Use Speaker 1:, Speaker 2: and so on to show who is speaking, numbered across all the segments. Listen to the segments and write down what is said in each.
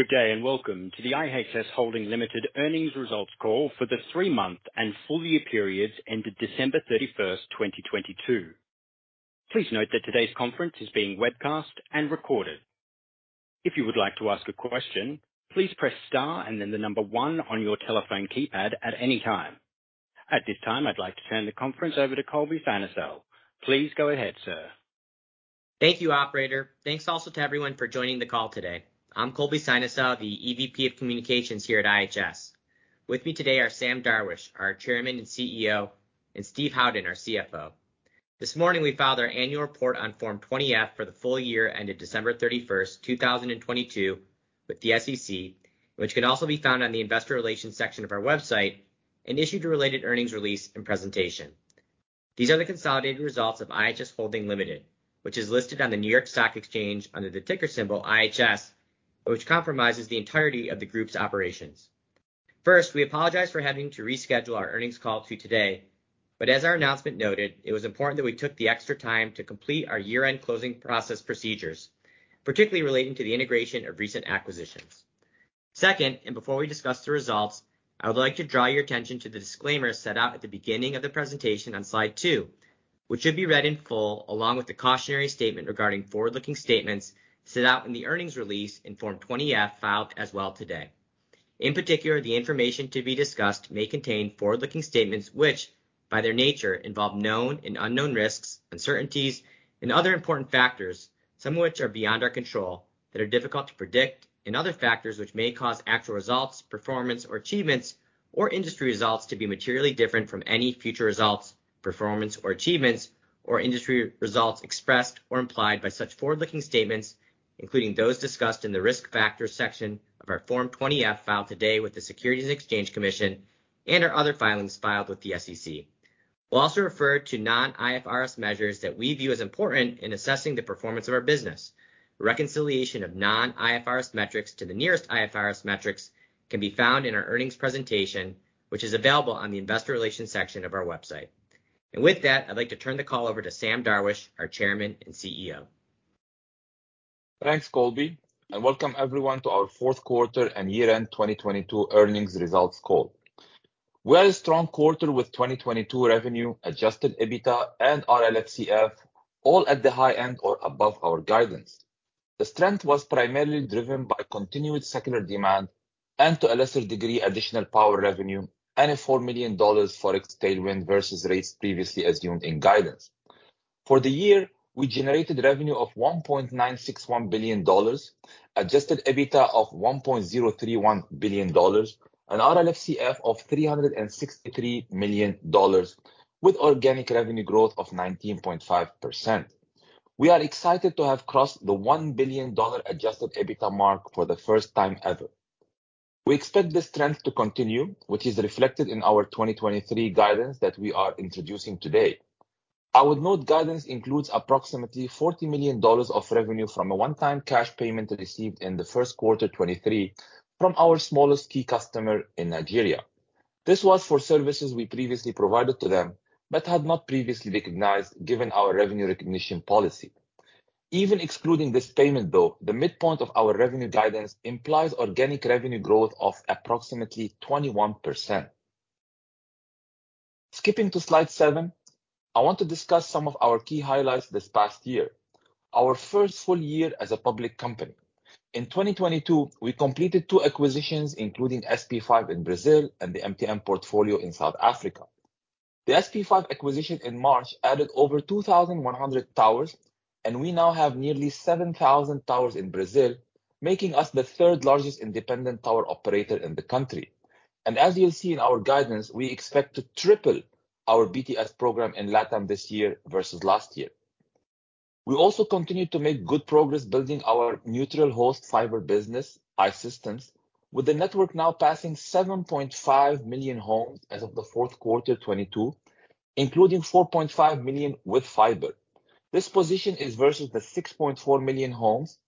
Speaker 1: Good day, and welcome to the IHS Holding Limited Earnings Results Call for the three-month and full year periods ended December 31st, 2022. Please note that today's conference is being webcast and recorded. If you would like to ask a question, please press star and then the one on your telephone keypad at any time. At this time, I'd like to turn the conference over to Colby Synesael. Please go ahead, sir.
Speaker 2: Thank you, operator. Thanks also to everyone for joining the call today. I'm Colby Synesael, the EVP of Communications here at IHS. With me today are Sam Darwish, our Chairman and CEO, and Steve Howden, our CFO. This morning, we filed our annual report on Form 20-F for the full year ended December 31st, 2022 with the SEC, which can also be found on the investor relations section of our website and issued a related earnings release and presentation. These are the consolidated results of IHS Holding Limited, which is listed on the New York Stock Exchange under the ticker symbol IHS, which compromises the entirety of the group's operations. First, we apologize for having to reschedule our earnings call to today. As our announcement noted, it was important that we took the extra time to complete our year-end closing process procedures, particularly relating to the integration of recent acquisitions. Second, and before we discuss the results, I would like to draw your attention to the disclaimer set out at the beginning of the presentation on slide two, which should be read in full along with the cautionary statement regarding forward-looking statements set out in the earnings release in Form 20-F filed as well today. In particular, the information to be discussed may contain forward-looking statements which, by their nature, involve known and unknown risks, uncertainties, and other important factors, some of which are beyond our control that are difficult to predict and other factors which may cause actual results, performance, or achievements or industry results to be materially different from any future results, performance, or achievements or industry results expressed or implied by such forward-looking statements, including those discussed in the Risk Factors section of our Form 20-F filed today with the Securities and Exchange Commission and our other filings filed with the SEC. We'll also refer to non-IFRS measures that we view as important in assessing the performance of our business. Reconciliation of non-IFRS metrics to the nearest IFRS metrics can be found in our earnings presentation, which is available on the investor relations section of our website. With that, I'd like to turn the call over to Sam Darwish, our Chairman and CEO.
Speaker 3: Thanks, Colby, and welcome everyone to our fourth quarter and year-end 2022 earnings results call. We had a strong quarter with 2022 revenue, Adjusted EBITDA and RLFCF all at the high end or above our guidance. The strength was primarily driven by continued secular demand and to a lesser degree, additional power revenue and a $4 million Forex tailwind versus rates previously assumed in guidance. For the year, we generated revenue of $1.961 billion, Adjusted EBITDA of $1.031 billion, and RLFCF of $363 million with organic revenue growth of 19.5%. We are excited to have crossed the $1 billion Adjusted EBITDA mark for the first time ever. We expect this trend to continue, which is reflected in our 2023 guidance that we are introducing today. I would note guidance includes approximately $40 million of revenue from a one-time cash payment received in the first quarter 2023 from our smallest key customer in Nigeria. This was for services we previously provided to them but had not previously recognized given our revenue recognition policy. Even excluding this payment, though, the midpoint of our revenue guidance implies organic revenue growth of approximately 21%. Skipping to slide seven, I want to discuss some of our key highlights this past year, our first full year as a public company. In 2022, we completed 2 acquisitions, including SP5 in Brazil and the MTN portfolio in South Africa. The SP5 acquisition in March added over 2,100 towers, and we now have nearly 7,000 towers in Brazil, making us the third largest independent tower operator in the country. As you'll see in our guidance, we expect to triple our BTS program in Latam this year versus last year. We also continued to make good progress building our neutral host fiber business, I-Systems, with the network now passing 7.5 million homes as of the fourth quater 2022, including 4.5 million with fiber. This position is versus the 6.4 million homes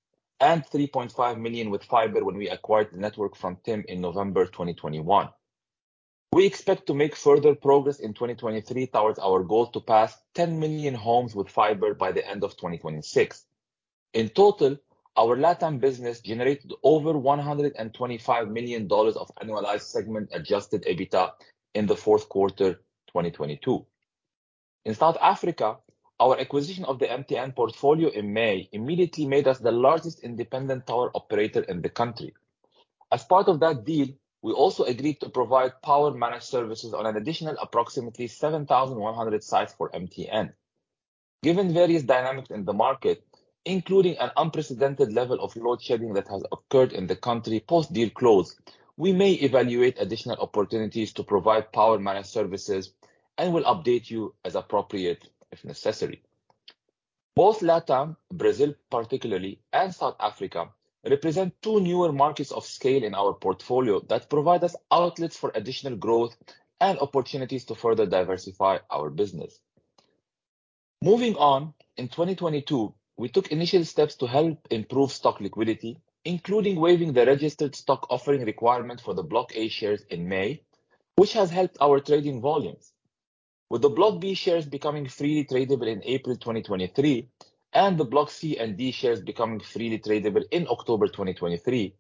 Speaker 3: and 3.5 million with fiber when we acquired the network from TIM in November 2021. We expect to make further progress in 2023 towards our goal to pass 10 million homes with fiber by the end of 2026. In total, our Latam business generated over $125 million of annualized segment Adjusted EBITDA in the fourth quarter 2022. In South Africa, our acquisition of the MTN portfolio in May immediately made us the largest independent tower operator in the country. As part of that deal, we also agreed to provide Power Managed Services on an additional approximately 7,100 sites for MTN. Given various dynamics in the market, including an unprecedented level of load shedding that has occurred in the country post-deal close, we may evaluate additional opportunities to provide Power Managed Services and will update you as appropriate if necessary. Both Latam, Brazil, particularly, and South Africa represent two newer markets of scale in our portfolio that provide us outlets for additional growth and opportunities to further diversify our business. Moving on, in 2022, we took initial steps to help improve stock liquidity, including waiving the registered stock offering requirement for the Block A shares in May, which has helped our trading volumes. With the Block B shares becoming freely tradable in April 2023, and the Block C and D shares becoming freely tradable in October 2023,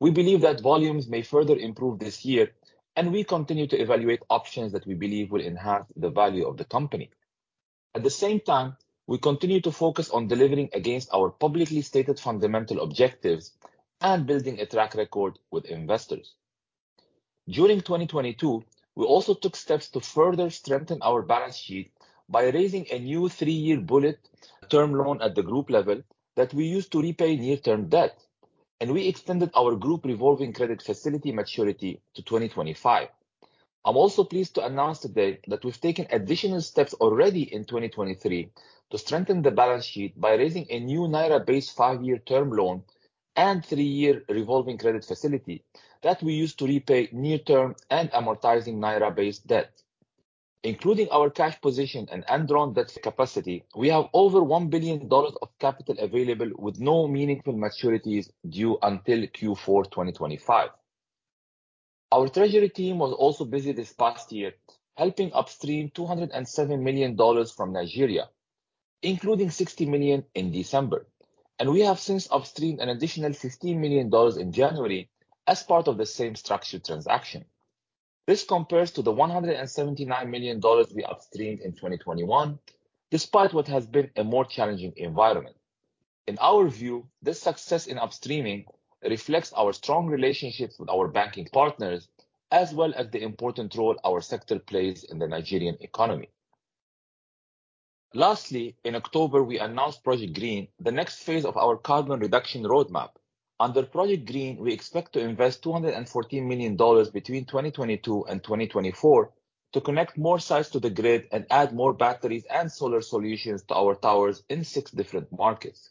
Speaker 3: we believe that volumes may further improve this year, and we continue to evaluate options that we believe will enhance the value of the company. At the same time, we continue to focus on delivering against our publicly stated fundamental objectives and building a track record with investors. During 2022, we also took steps to further strengthen our balance sheet by raising a new three-year bullet term loan at the group level that we used to repay near-term debt, and we extended our group revolving credit facility maturity to 2025. I'm also pleased to announce today that we've taken additional steps already in 2023 to strengthen the balance sheet by raising a new naira-based five-year term loan and three-year revolving credit facility that we used to repay near term and amortizing naira-based debt. Including our cash position and undrawn debt capacity, we have over $1 billion of capital available, with no meaningful maturities due until Q4 2025. Our treasury team was also busy this past year helping upstream $207 million from Nigeria, including $60 million in December, and we have since upstreamed an additional $15 million in January as part of the same structured transaction. This compares to the $179 million we upstreamed in 2021, despite what has been a more challenging environment. In our view, this success in upstreaming reflects our strong relationships with our banking partners, as well as the important role our sector plays in the Nigerian economy. Lastly, in October, we announced Project Green, the next phase of our carbon reduction roadmap. Under Project Green, we expect to invest $214 million between 2022 and 2024 to connect more sites to the grid and add more batteries and solar solutions to our towers in six different markets.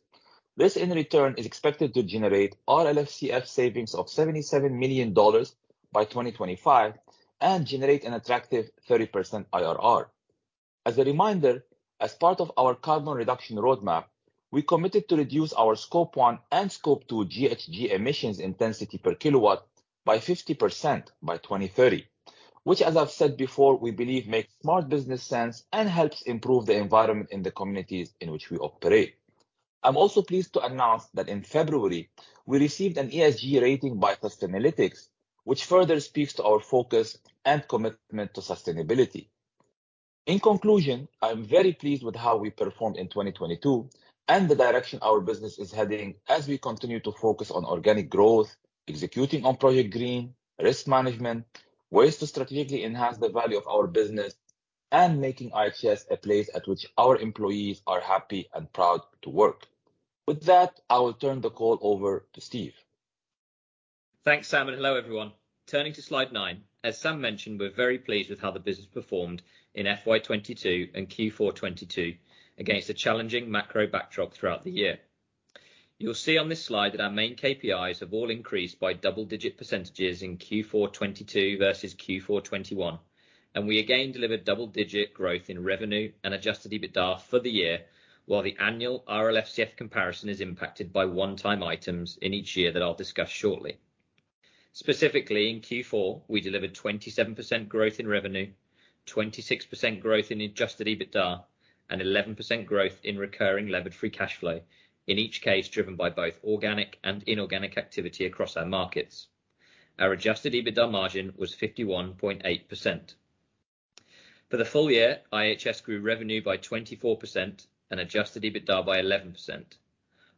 Speaker 3: This, in return, is expected to generate RLFCF savings of $77 million by 2025 and generate an attractive 30% IRR. As a reminder, as part of our carbon reduction roadmap, we committed to reduce our Scope 1 and Scope 2 GHG emissions intensity per kilowatt by 50% by 2030, which as I've said before, we believe makes smart business sense and helps improve the environment in the communities in which we operate. I'm also pleased to announce that in February, we received an ESG rating by Sustainalytics, which further speaks to our focus and commitment to sustainability. In conclusion, I am very pleased with how we performed in 2022 and the direction our business is heading as we continue to focus on organic growth, executing on Project Green, risk management, ways to strategically enhance the value of our business, and making IHS a place at which our employees are happy and proud to work. With that, I will turn the call over to Steve.
Speaker 4: Thanks, Sam. Hello, everyone. Turning to slide nine, as Sam mentioned, we're very pleased with how the business performed in FY 2022 and Q4 2022 against a challenging macro backdrop throughout the year. You'll see on this slide that our main KPIs have all increased by double-digit % in Q4 2022 versus Q4 2021. We again delivered double-digit growth in revenue and Adjusted EBITDA for the year, while the annual RLFCF comparison is impacted by one-time items in each year that I'll discuss shortly. Specifically in Q4, we delivered 27% growth in revenue, 26% growth in Adjusted EBITDA, and 11% growth in recurring levered free cash flow, in each case driven by both organic and inorganic activity across our markets. Our Adjusted EBITDA margin was 51.8%. For the full year, IHS grew revenue by 24% and Adjusted EBITDA by 11%.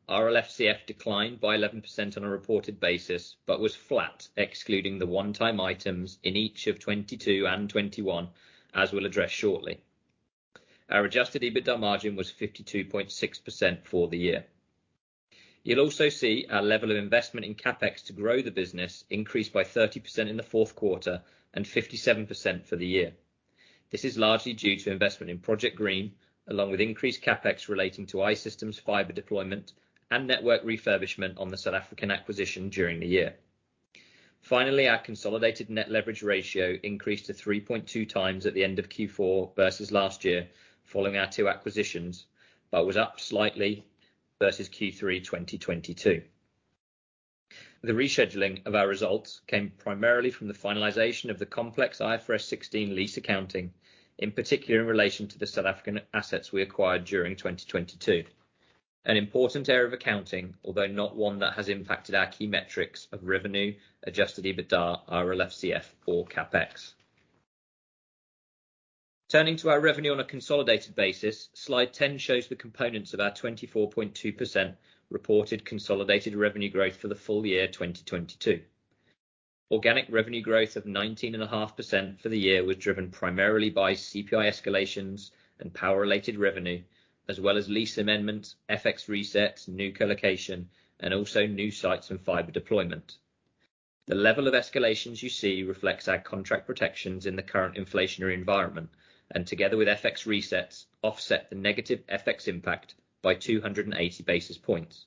Speaker 4: RLFCF declined by 11% on a reported basis but was flat excluding the one-time items in each of 2022 and 2021, as we'll address shortly. Our Adjusted EBITDA margin was 52.6% for the year. You'll also see our level of investment in CapEx to grow the business increased by 30% in the fourth quarter and 57% for the year. This is largely due to investment in Project Green, along with increased CapEx relating to I-Systems fiber deployment and network refurbishment on the South African acquisition during the year. Finally, our consolidated net leverage ratio increased to 3.2x at the end of Q4 versus last year following our two acquisitions, but was up slightly versus Q3 2022. The rescheduling of our results came primarily from the finalization of the complex IFRS 16 lease accounting, in particular in relation to the South African assets we acquired during 2022. An important area of accounting, although not one that has impacted our key metrics of revenue, Adjusted EBITDA, RLFCF or CapEx. Turning to our revenue on a consolidated basis, slide 10 shows the components of our 24.2% reported consolidated revenue growth for the full year 2022. Organic revenue growth of 19.5% for the year was driven primarily by CPI escalations and power-related revenue, as well as Lease Amendments, FX resets, new colocation, and also new sites and fiber deployment. The level of escalations you see reflects our contract protections in the current inflationary environment, and together with FX resets, offset the negative FX impact by 280 basis points.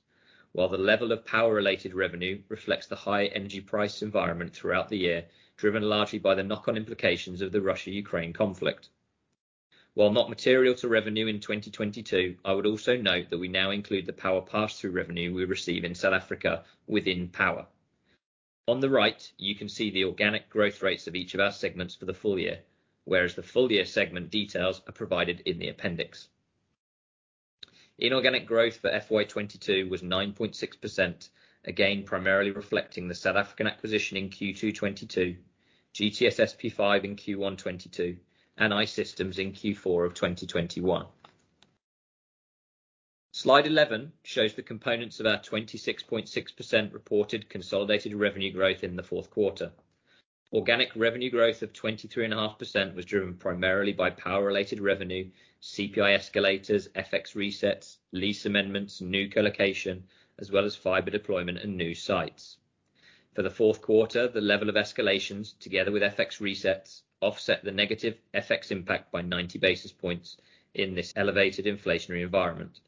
Speaker 4: The level of power-related revenue reflects the high energy price environment throughout the year, driven largely by the knock-on implications of the Russia-Ukraine conflict. [Not] material to revenue in 2022, I would also note that we now include the power pass-through revenue we receive in South Africa within power. On the right, you can see the organic growth rates of each of our segments for the full year, whereas the full year segment details are provided in the appendix. Inorganic growth for FY 2022 was 9.6%, again, primarily reflecting the South African acquisition in Q2 2022, GTS SP5 in Q1 2022, and I-Systems in Q4 2021. Slide 11 shows the components of our 26.6% reported consolidated revenue growth in the fourth quarter. Organic revenue growth of 23.5% was driven primarily by power-related revenue, CPI escalators, FX resets, lease amendments, new colocation, as well as fiber deployment in new sites. For the fourth quarter, the level of escalations together with FX resets offset the negative FX impact by 90 basis points in this elevated inflationary environment.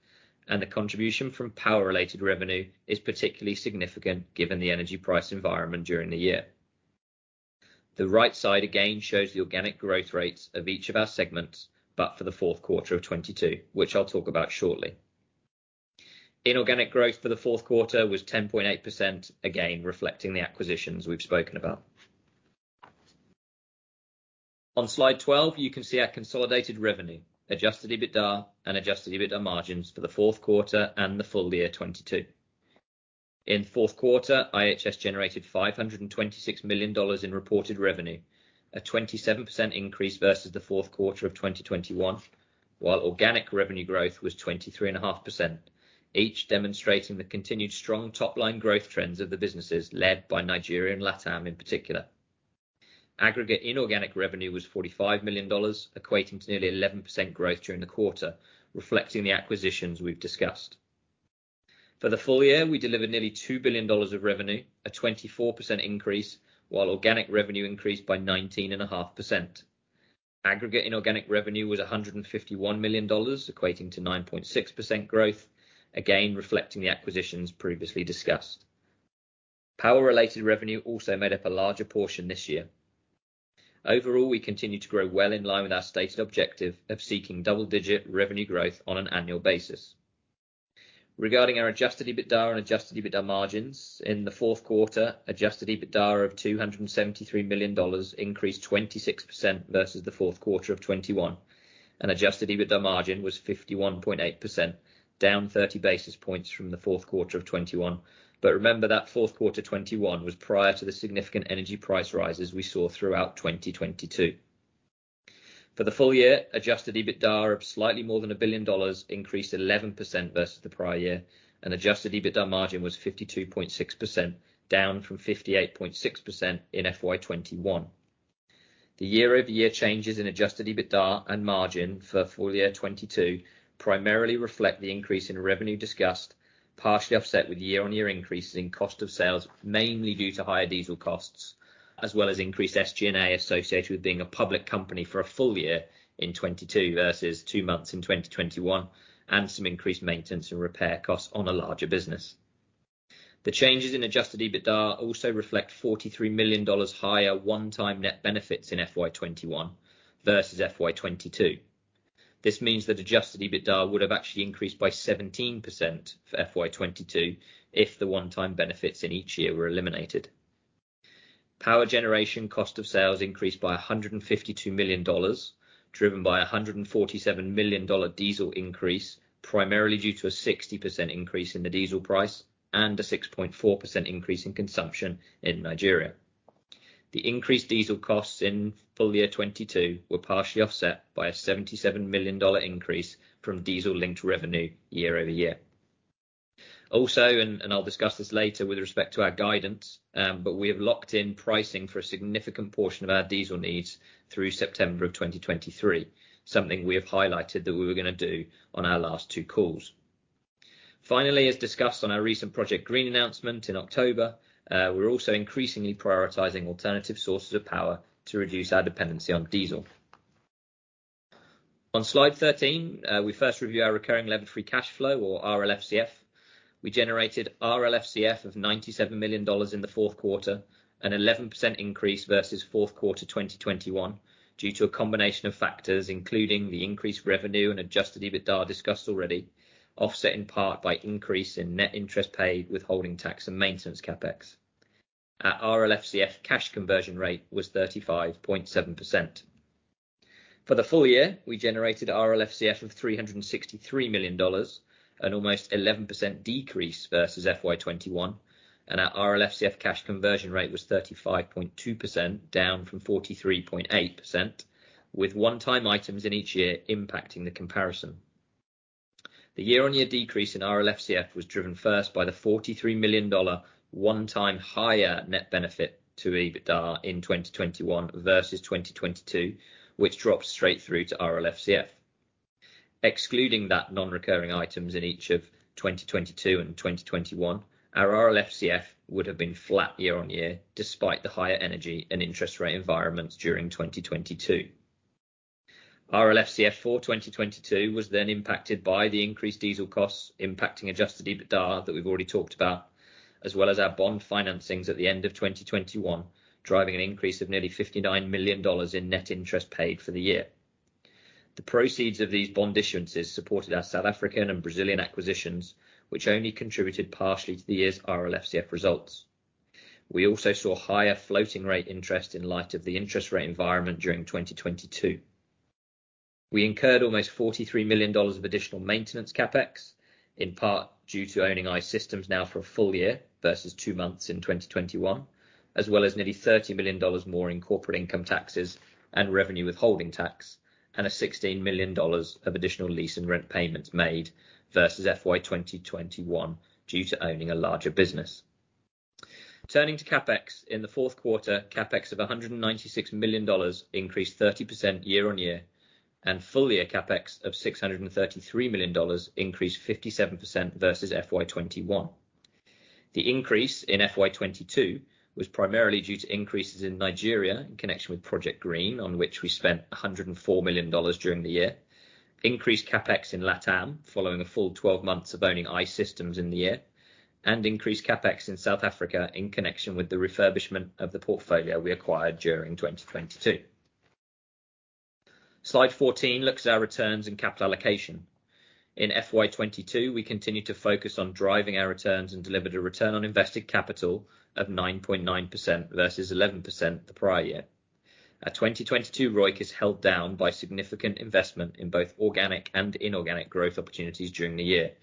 Speaker 4: The contribution from power-related revenue is particularly significant given the energy price environment during the year. The right side again shows the organic growth rates of each of our segments, but for the fourth quarter of 2022, which I'll talk about shortly. Inorganic growth for the fourth quarter was 10.8%, again, reflecting the acquisitions we've spoken about. On slide 12, you can see our consolidated revenue, Adjusted EBITDA and Adjusted EBITDA margins for the fourth quarter and the full year 2022. In fourth quarter, IHS generated $526 million in reported revenue, a 27% increase versus the fourth quarter of 2021, while organic revenue growth was 23.5%, each demonstrating the continued strong top-line growth trends of the businesses led by Nigeria and Latam in particular. Aggregate inorganic revenue was $45 million, equating to nearly 11% growth during the quarter, reflecting the acquisitions we've discussed. For the full year, we delivered nearly $2 billion of revenue, a 24% increase, while organic revenue increased by 19.5%. Aggregate inorganic revenue was $151 million, equating to 9.6% growth, again, reflecting the acquisitions previously discussed. Power-related revenue also made up a larger portion this year. Overall, we continue to grow well in line with our stated objective of seeking double-digit revenue growth on an annual basis. Regarding our Adjusted EBITDA and Adjusted EBITDA margins, in the fourth quarter, Adjusted EBITDA of $273 million increased 26% versus the fourth quarter of 2021, and Adjusted EBITDA margin was 51.8%, down 30 basis points from the fourth quarter of 2021. Remember that fourth quarter 2021 was prior to the significant energy price rises we saw throughout 2022. For the full year, Adjusted EBITDA of slightly more than $1 billion increased 11% versus the prior year, and Adjusted EBITDA margin was 52.6%, down from 58.6% in FY 2021. The year-over-year changes in Adjusted EBITDA and margin for full year 2022 primarily reflect the increase in revenue discussed, partially offset with year-on-year increases in cost of sales, mainly due to higher diesel costs, as well as increased SG&A associated with being a public company for a full year in 2022 versus two months in 2021, and some increased maintenance and repair costs on a larger business. The changes in Adjusted EBITDA also reflect $43 million higher one-time net benefits in FY 2021 versus FY 2022. This means that Adjusted EBITDA would have actually increased by 17% for FY 2022 if the one-time benefits in each year were eliminated. Power generation cost of sales increased by $152 million, driven by a $147 million diesel increase, primarily due to a 60% increase in the diesel price and a 6.4% increase in consumption in Nigeria. The increased diesel costs in full year 2022 were partially offset by a $77 million increase from diesel-linked revenue year-over-year. I'll discuss this later with respect to our guidance, we have locked in pricing for a significant portion of our diesel needs through September of 2023, something we have highlighted that we were gonna do on our last two calls. As discussed on our recent Project Green announcement in October, we're also increasingly prioritizing alternative sources of power to reduce our dependency on diesel. On slide 13, we first review our recurring levered free cash flow or RLFCF. We generated RLFCF of $97 million in the fourth quarter, an 11% increase versus fourth quarter 2021 due to a combination of factors, including the increased revenue and Adjusted EBITDA discussed already, offset in part by increase in net interest paid withholding tax and maintenance CapEx. Our RLFCF cash conversion rate was 35.7%. For the full year, we generated RLFCF of $363 million, an almost 11% decrease versus FY 2021, and our RLFCF cash conversion rate was 35.2%, down from 43.8%, with one-time items in each year impacting the comparison. The year-on-year decrease in RLFCF was driven first by the $43 million one-time higher net benefit to EBITDA in 2021 versus 2022, which dropped straight through to RLFCF. Excluding that non-recurring items in each of 2022 and 2021, our RLFCF would have been flat year-on-year despite the higher energy and interest rate environments during 2022. RLFCF for 2022 was impacted by the increased diesel costs impacting Adjusted EBITDA that we've already talked about, as well as our bond financings at the end of 2021, driving an increase of nearly $59 million in net interest paid for the year. The proceeds of these bond issuances supported our South African and Brazilian acquisitions, which only contributed partially to the year's RLFCF results. We also saw higher floating rate interest in light of the interest rate environment during 2022. We incurred almost $43 million of additional maintenance CapEx, in part due to owning I-Systems now for a full year versus two months in 2021, as well as nearly $30 million more in corporate income taxes and revenue withholding tax, and $16 million of additional lease and rent payments made versus FY 2021 due to owning a larger business. Turning to CapEx, in the fourth quarter, CapEx of $196 million increased 30% year-on-year, and full year CapEx of $633 million increased 57% versus FY 2021. The increase in FY 2022 was primarily due to increases in Nigeria in connection with Project Green, on which we spent $104 million during the year, increased CapEx in Latam following a full 12 months of owning I-Systems in the year, and increased CapEx in South Africa in connection with the refurbishment of the portfolio we acquired during 2022. Slide 14 looks at our returns and capital allocation. In FY 2022, we continued to focus on driving our returns and delivered a return on invested capital of 9.9% versus 11% the prior year. Our 2022 ROIC is held down by significant investment in both organic and inorganic growth opportunities during the year,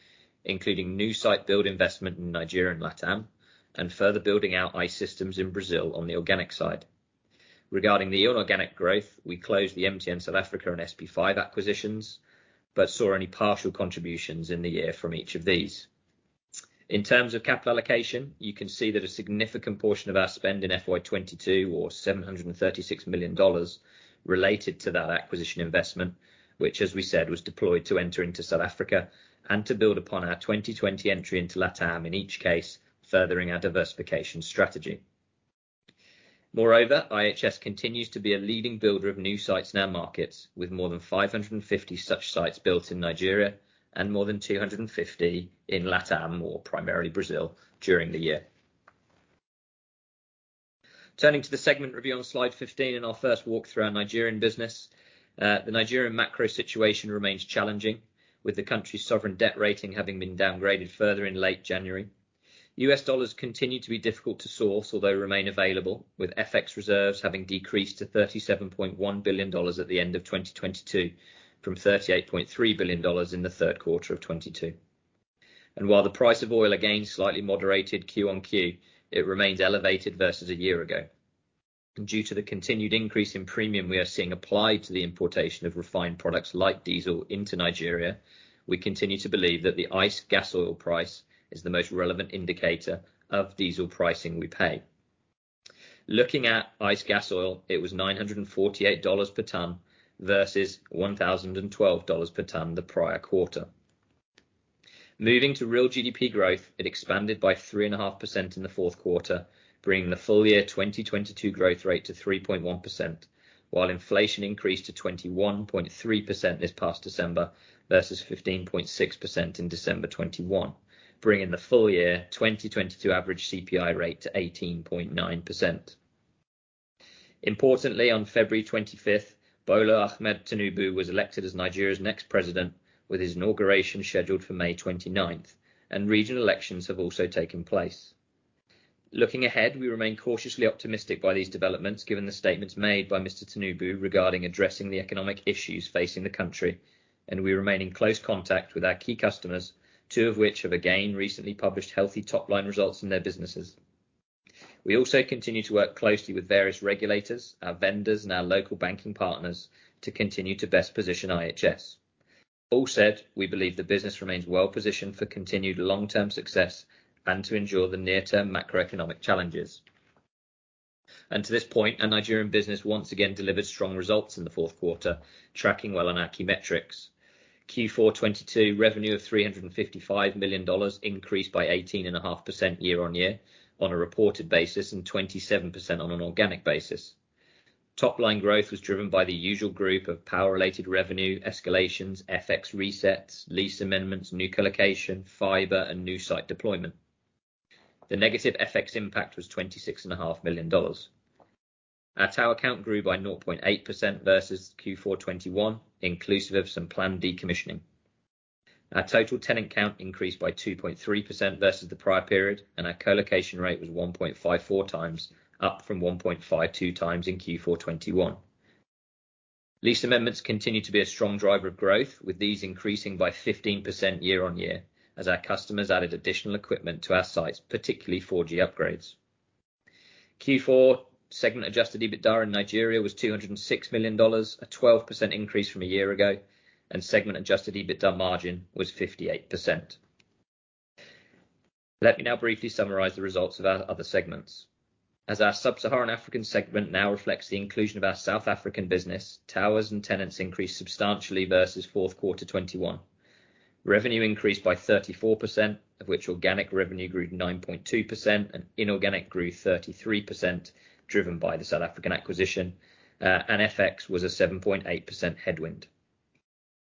Speaker 4: including new site build investment in Nigeria and Latam and further building out I-Systems in Brazil on the organic side. Regarding the inorganic growth, we closed the MTN South Africa and SP5 acquisitions, but saw only partial contributions in the year from each of these. In terms of capital allocation, you can see that a significant portion of our spend in FY 2022 or $736 million related to that acquisition investment, which as we said, was deployed to enter into South Africa and to build upon our 2020 entry into Latam in each case, furthering our diversification strategy. Moreover, IHS continues to be a leading builder of new sites in our markets, with more than 550 such sites built in Nigeria and more than 250 in Latam, or primarily Brazil, during the year. Turning to the segment review on slide 15 and our first walk through our Nigerian business. The Nigerian macro situation remains challenging, with the country's sovereign debt rating having been downgraded further in late January. U.S. dollars continue to be difficult to source, although remain available, with FX reserves having decreased to $37.1 billion at the end of 2022 from $38.3 billion in the third quarter of 2022. While the price of oil again slightly moderated [Q-on-Q], it remains elevated versus a year ago. Due to the continued increase in premium we are seeing applied to the importation of refined products like diesel into Nigeria, we continue to believe that the ICE gasoil price is the most relevant indicator of diesel pricing we pay. Looking at ICE gasoil, it was $948 per ton versus $1,012 per ton the prior quarter. Moving to real GDP growth, it expanded by 3.5% in the fourth quarter, bringing the full year 2022 growth rate to 3.1%, while inflation increased to 21.3% this past December versus 15.6% in December 2021, bringing the full year 2022 average CPI rate to 18.9%. Importantly, on February 25th, Bola Ahmed Tinubu was elected as Nigeria's next president, with his inauguration scheduled for May 29th, and regional elections have also taken place. Looking ahead, we remain cautiously optimistic by these developments, given the statements made by Mr. Tinubu regarding addressing the economic issues facing the country, and we remain in close contact with our key customers, two of which have again recently published healthy top-line results in their businesses. We also continue to work closely with various regulators, our vendors, and our local banking partners to continue to best position IHS. All said, we believe the business remains well positioned for continued long-term success and to endure the near-term macroeconomic challenges. To this point, our Nigerian business once again delivered strong results in the fourth quarter, tracking well on our key metrics. Q4 2022 revenue of $355 million increased by 18.5% year-on-year on a reported basis and 27% on an organic basis. Top-line growth was driven by the usual group of power-related revenue, escalations, FX resets, Lease Amendments, new colocation, fiber, and new site deployment. The negative FX impact was $26.5 million. Our tower count grew by 0.8% versus Q4 2021, inclusive of some planned decommissioning. Our total tenant count increased by 2.3% versus the prior period, and our colocation rate was 1.54x, up from 1.52x, in Q4 2021. Lease amendments continue to be a strong driver of growth, with these increasing by 15% year-on-year as our customers added additional equipment to our sites, particularly 4G upgrades. Q4 segment Adjusted EBITDA in Nigeria was $206 million, a 12% increase from a year ago, and segment Adjusted EBITDA margin was 58%. Let me now briefly summarize the results of our other segments. As our sub-Saharan African segment now reflects the inclusion of our South African business, towers and tenants increased substantially versus fourth quarter 2021. Revenue increased by 34%, of which organic revenue grew 9.2% and inorganic grew 33%, driven by the South African acquisition, and FX was a 7.8% headwind.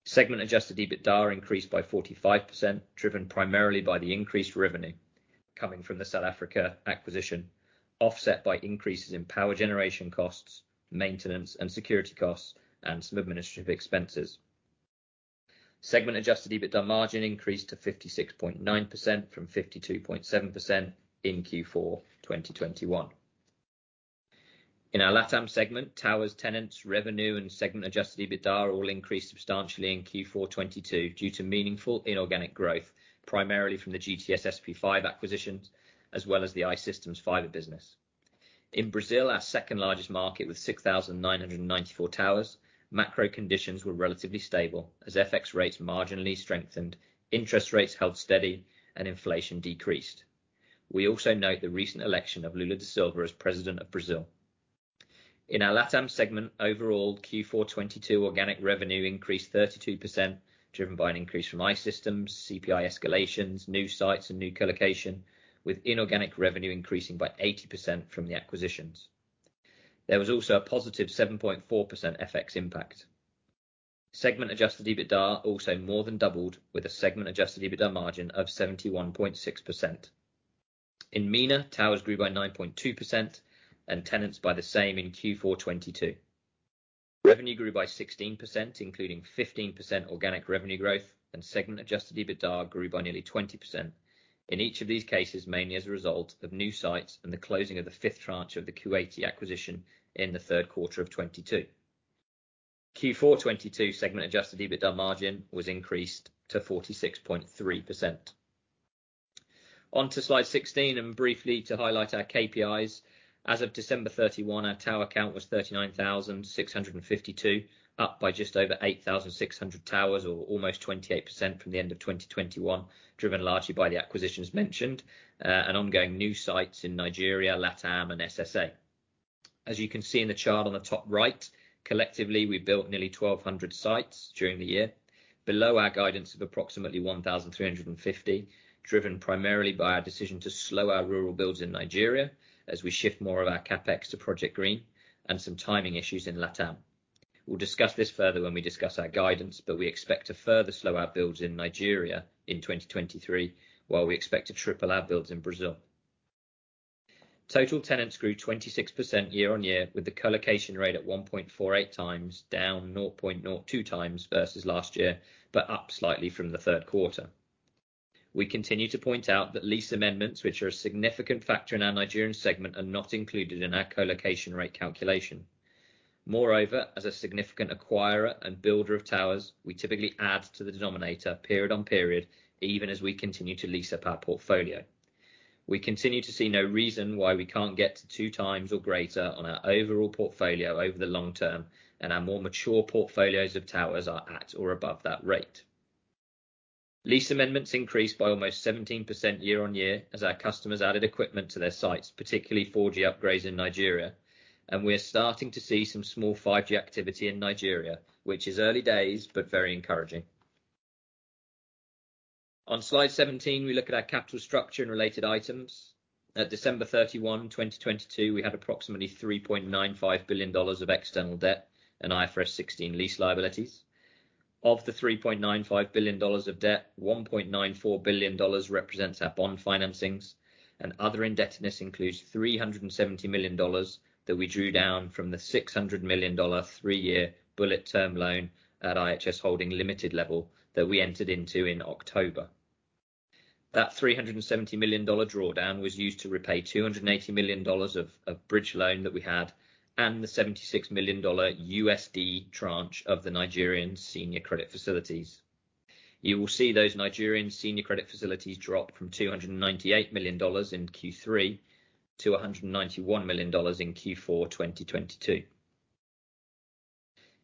Speaker 4: Segment Adjusted EBITDA increased by 45%, driven primarily by the increased revenue coming from the South Africa acquisition, offset by increases in power generation costs, maintenance and security costs, and some administrative expenses. segment-Adjusted EBITDA margin increased to 56.9% from 52.7% in Q4 2021. In our Latam segment, towers tenants, revenue and segment-Adjusted EBITDA all increased substantially in Q4 2022 due to meaningful inorganic growth, primarily from the GTS SP5 acquisitions, as well as the I-Systems fiber business. In Brazil, our second-largest market with 6,994 towers, macro conditions were relatively stable as FX rates marginally strengthened, interest rates held steady, and inflation decreased. We also note the recent election of Lula da Silva as President of Brazil. In our Latam segment, overall Q4 2022 organic revenue increased 32%, driven by an increase from I-Systems, CPI escalations, new sites and new colocation, with inorganic revenue increasing by 80% from the acquisitions. There was also a positive 7.4% FX impact. segment-Adjusted EBITDA also more than doubled with a segment-Adjusted EBITDA margin of 71.6%. In MENA, towers grew by 9.2% and tenants by the same in Q4 2022. Revenue grew by 16%, including 15% organic revenue growth and segment-Adjusted EBITDA grew by nearly 20%. In each of these cases, mainly as a result of new sites and the closing of the fifth tranche of the Kuwaiti acquisition in the third quarter of 2022. Q4 2022 segment-Adjusted EBITDA margin was increased to 46.3%. On to slide 16, briefly to highlight our KPIs. As of December 31, our tower count was 39,652, up by just over 8,600 towers or almost 28% from the end of 2021, driven largely by the acquisitions mentioned, and ongoing new sites in Nigeria, Latam and SSA. As you can see in the chart on the top right, collectively we built nearly 1,200 sites during the year, below our guidance of approximately 1,350, driven primarily by our decision to slow our rural builds in Nigeria as we shift more of our CapEx to Project Green and some timing issues in Latam. We'll discuss this further when we discuss our guidance, but we expect to further slow our builds in Nigeria in 2023, while we expect to triple our builds in Brazil. Total tenants grew 26% year-on-year, with the colocation rate at 1.48x down 0.02x versus last year, but up slightly from the third quarter. We continue to point out that Lease Amendments, which are a significant factor in our Nigerian segment, are not included in our colocation rate calculation. Moreover, as a significant acquirer and builder of towers, we typically add to the denominator period on period, even as we continue to lease up our portfolio. We continue to see no reason why we can't get to 2x or greater on our overall portfolio over the long term, and our more mature portfolios of towers are at or above that rate. Lease amendments increased by almost 17% year-on-year as our customers added equipment to their sites, particularly 4G upgrades in Nigeria. We are starting to see some small 5G activity in Nigeria, which is early days but very encouraging. On slide 17, we look at our capital structure and related items. At December 31, 2022, we had approximately $3.95 billion of external debt and IFRS 16 lease liabilities. Of the $3.95 billion of debt, $1.94 billion represents our bond financings, and other indebtedness includes $370 million that we drew down from the $600 million three-year bullet term loan at IHS Holding Limited level that we entered into in October. That $370 million drawdown was used to repay $280 million of bridge loan that we had and the $76 million USD tranche of the Nigerian senior credit facilities. You will see those Nigerian senior credit facilities drop from $298 million in Q3 to $191 million in Q4 2022.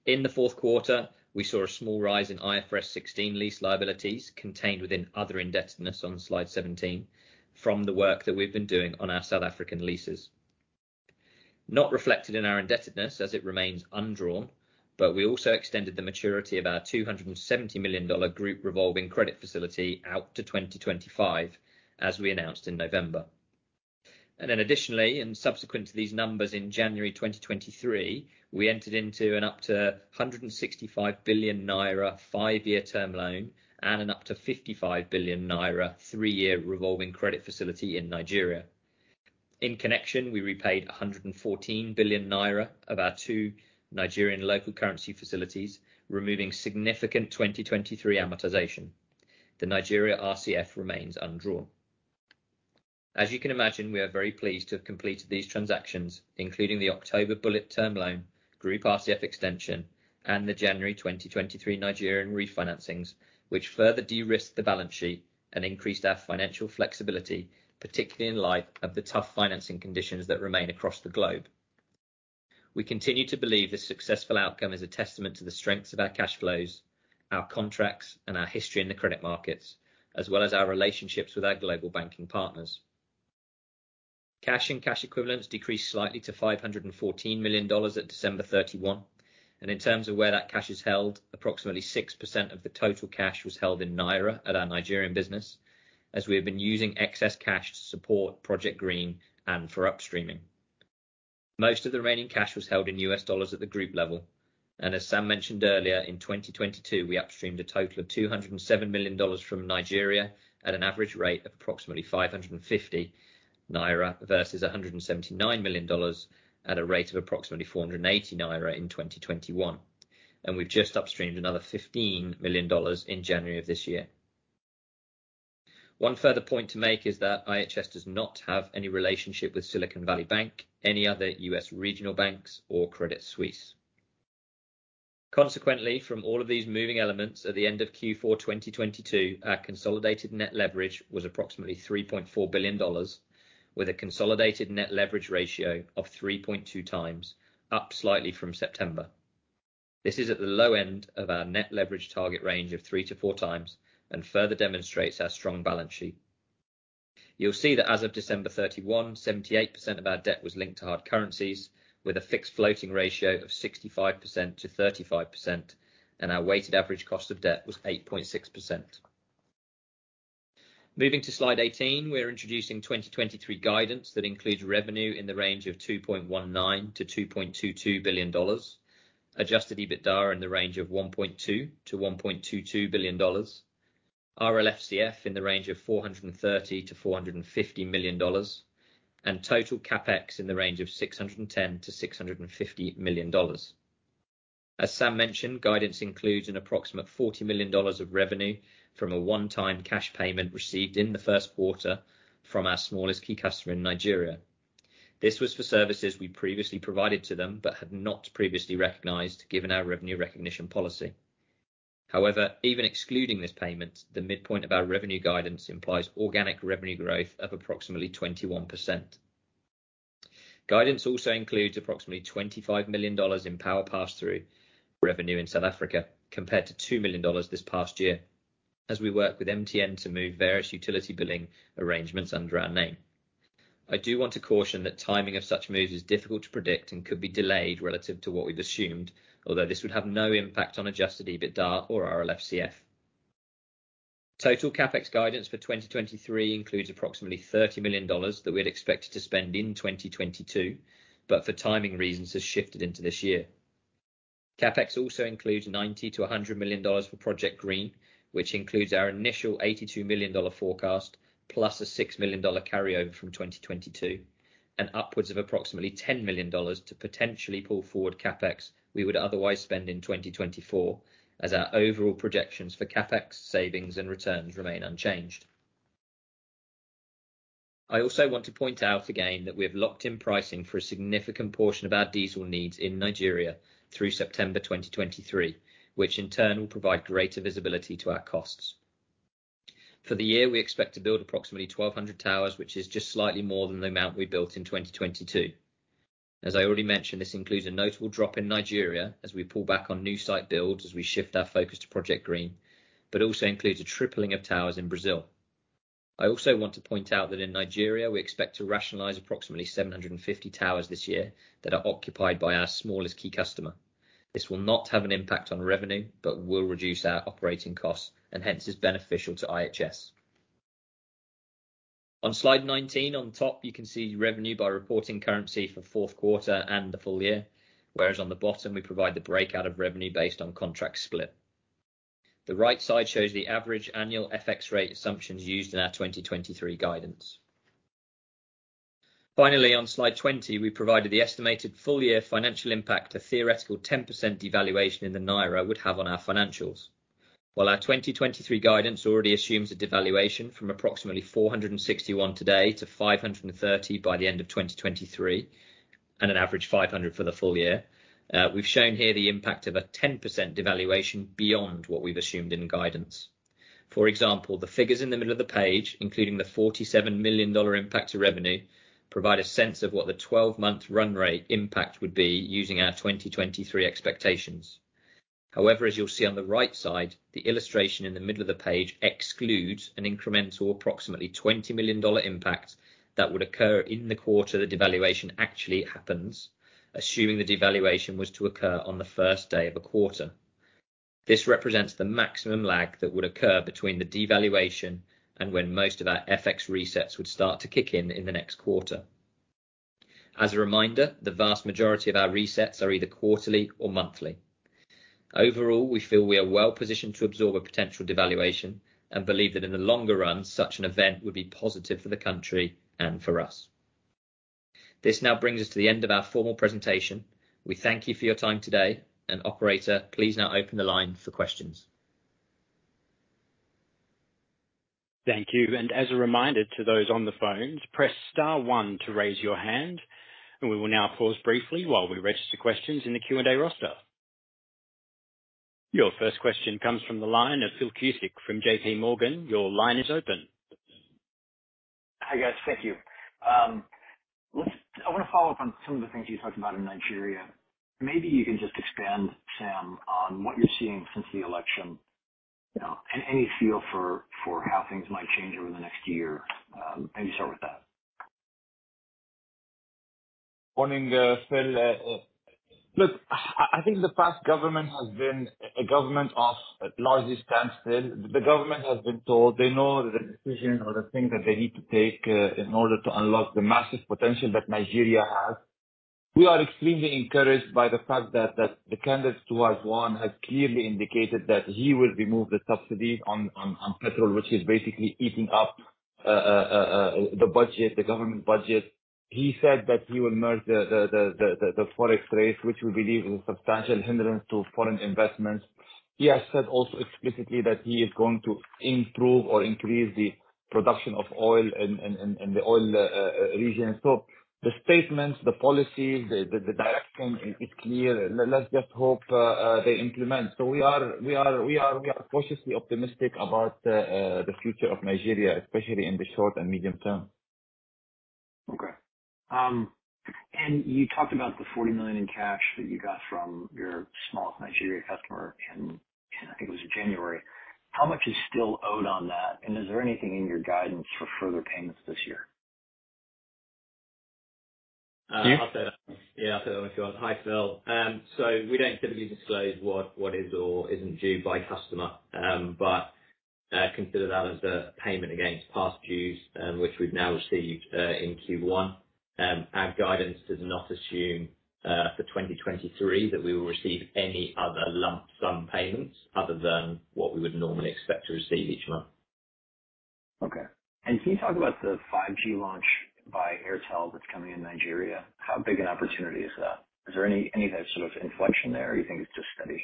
Speaker 4: In the fourth quarter, we saw a small rise in IFRS 16 lease liabilities contained within other indebtedness on slide 17 from the work that we've been doing on our South African leases. Not reflected in our indebtedness as it remains undrawn, but we also extended the maturity of our $270 million group revolving credit facility out to 2025, as we announced in November. Additionally and subsequent to these numbers in January 2023, we entered into an up to 165 billion naira five-year term loan and an up to 55 billion naira thre-year revolving credit facility in Nigeria. In connection, we repaid 114 billion naira of our two Nigerian local currency facilities, removing significant 2023 amortization. The Nigeria RCF remains undrawn. As you can imagine, we are very pleased to have completed these transactions, including the October bullet term loan, group RCF extension, and the January 2023 Nigerian refinancings, which further de-risked the balance sheet and increased our financial flexibility, particularly in light of the tough financing conditions that remain across the globe. We continue to believe this successful outcome is a testament to the strengths of our cash flows, our contracts and our history in the credit markets, as well as our relationships with our global banking partners. Cash and cash equivalents decreased slightly to $514 million at December 31, and in terms of where that cash is held, approximately 6% of the total cash was held in NGN at our Nigerian business, as we have been using excess cash to support Project Green and for upstreaming. Most of the remaining cash was held in U.S. dollars at the group level, and as Sam mentioned earlier, in 2022, we upstreamed a total of $207 million from Nigeria at an average rate of approximately 550 naira versus $179 million at a rate of approximately 490 naira in 2021. We've just upstreamed another $15 million in January of this year. One further point to make is that IHS does not have any relationship with Silicon Valley Bank, any other U.S. regional banks or Credit Suisse. From all of these moving elements, at the end of Q4 2022, our consolidated net leverage was approximately $3.4 billion, with a consolidated net leverage ratio of 3.2x, up slightly from September. This is at the low end of our net leverage target range of 3 to 4x and further demonstrates our strong balance sheet. You'll see that as of December 31, 78% of our debt was linked to hard currencies with a fixed floating ratio of 65%-35%. Our weighted average cost of debt was 8.6%. Moving to slide 18, we're introducing 2023 guidance. That includes revenue in the range of $2.19 billion-$2.22 billion, Adjusted EBITDA in the range of $1.2 billion-$1.22 billion, RLFCF in the range of $430 million-$450 million, and total CapEx in the range of $610 million-$650 million. As Sam mentioned, guidance includes an approximate $40 million of revenue from a one-time cash payment received in the first quarter from our smallest key customer in Nigeria. This was for services we previously provided to them, but had not previously recognized given our revenue recognition policy. However, even excluding this payment, the midpoint of our revenue guidance implies organic revenue growth of approximately 21%. Guidance also includes approximately $25 million in power pass-through revenue in South Africa compared to $2 million this past year as we work with MTN to move various utility billing arrangements under our name. I do want to caution that timing of such moves is difficult to predict and could be delayed relative to what we've assumed, although this would have no impact on Adjusted EBITDA or RLFCF. Total CapEx guidance for 2023 includes approximately $30 million that we had expected to spend in 2022, but for timing reasons, has shifted into this year. CapEx also includes $90 million-$100 million for Project Green, which includes our initial $82 million forecast, plus a $6 million carryover from 2022 and upwards of approximately $10 million to potentially pull forward CapEx we would otherwise spend in 2024 as our overall projections for CapEx savings and returns remain unchanged. I also want to point out again that we have locked in pricing for a significant portion of our diesel needs in Nigeria through September 2023, which in turn will provide greater visibility to our costs. For the year, we expect to build approximately 1,200 towers, which is just slightly more than the amount we built in 2022. As I already mentioned, this includes a notable drop in Nigeria as we pull back on new site builds as we shift our focus to Project Green, but also includes a tripling of towers in Brazil. I also want to point out that in Nigeria, we expect to rationalize approximately 750 towers this year that are occupied by our smallest key customer. This will not have an impact on revenue but will reduce our operating costs and hence is beneficial to IHS. On slide 19, on top you can see revenue by reporting currency for fourth quarter and the full year, whereas on the bottom we provide the breakout of revenue based on contract split. The right side shows the average annual FX rate assumptions used in our 2023 guidance. Finally, on slide 20, we provided the estimated full year financial impact a theoretical 10% devaluation in the naira would have on our financials. While our 2023 guidance already assumes a devaluation from approximately 461 today to 530 by the end of 2023 and an average 500 for the full year, we've shown here the impact of a 10% devaluation beyond what we've assumed in guidance. For example, the figures in the middle of the page, including the $47 million impact to revenue, provide a sense of what the 12-month run rate impact would be using our 2023 expectations. However, as you'll see on the right side, the illustration in the middle of the page excludes an incremental approximately $20 million impact that would occur in the quarter the devaluation actually happens, assuming the devaluation was to occur on the first day of a quarter. This represents the maximum lag that would occur between the devaluation and when most of our FX resets would start to kick in the next quarter. As a reminder, the vast majority of our resets are either quarterly or monthly. Overall, we feel we are well positioned to absorb a potential devaluation and believe that in the longer run, such an event would be positive for the country and for us. This now brings us to the end of our formal presentation. We thank you for your time today and operator, please now open the line for questions.
Speaker 1: Thank you, as a reminder to those on the phones, press star one to raise your hand. We will now pause briefly while we register questions in the Q&A roster. Your first question comes from the line of Philip Cusick from J.P. Morgan. Your line is open.
Speaker 5: Hi, guys. Thank you. I wanna follow up on some of the things you talked about in Nigeria. Maybe you can just expand, Sam, on what you're seeing since the election, you know, any feel for how things might change over the next year? Maybe start with that.
Speaker 3: Morning Phil, I think the past government has been a government of largely standstill. The government has been told they know the decisions or the things that they need to take in order to unlock the massive potential that Nigeria has. We are extremely encouraged by the fact that the candidates towards one have clearly indicated that he will remove the subsidies on petrol, which is basically eating up the budget, the government budget. He said that he will merge the Forex rates, which we believe is a substantial hindrance to foreign investments. He has said also explicitly that he is going to improve or increase the production of oil in the oil region. So the statements, the policy, the direction is clear. Let's just hope they implement. We are cautiously optimistic about the future of Nigeria, especially in the short and medium term.
Speaker 5: Okay. You talked about the $40 million in cash that you got from your smallest Nigeria customer in I think it was January. How much is still owed on that? Is there anything in your guidance for further payments this year?
Speaker 3: Steve?
Speaker 4: I'll take that. Yeah, I'll take that one if you want. Hi, Phil. We don't typically disclose what is or isn't due by customer, but consider that as a payment against past dues, which we've now received in Q1. Our guidance does not assume for 2023 that we will receive any other lump sum payments other than what we would normally expect to receive each month.
Speaker 5: Okay. Can you talk about the 5G launch by Airtel that's coming in Nigeria? How big an opportunity is that? Is there any sort of inflection there, or you think it's just steady?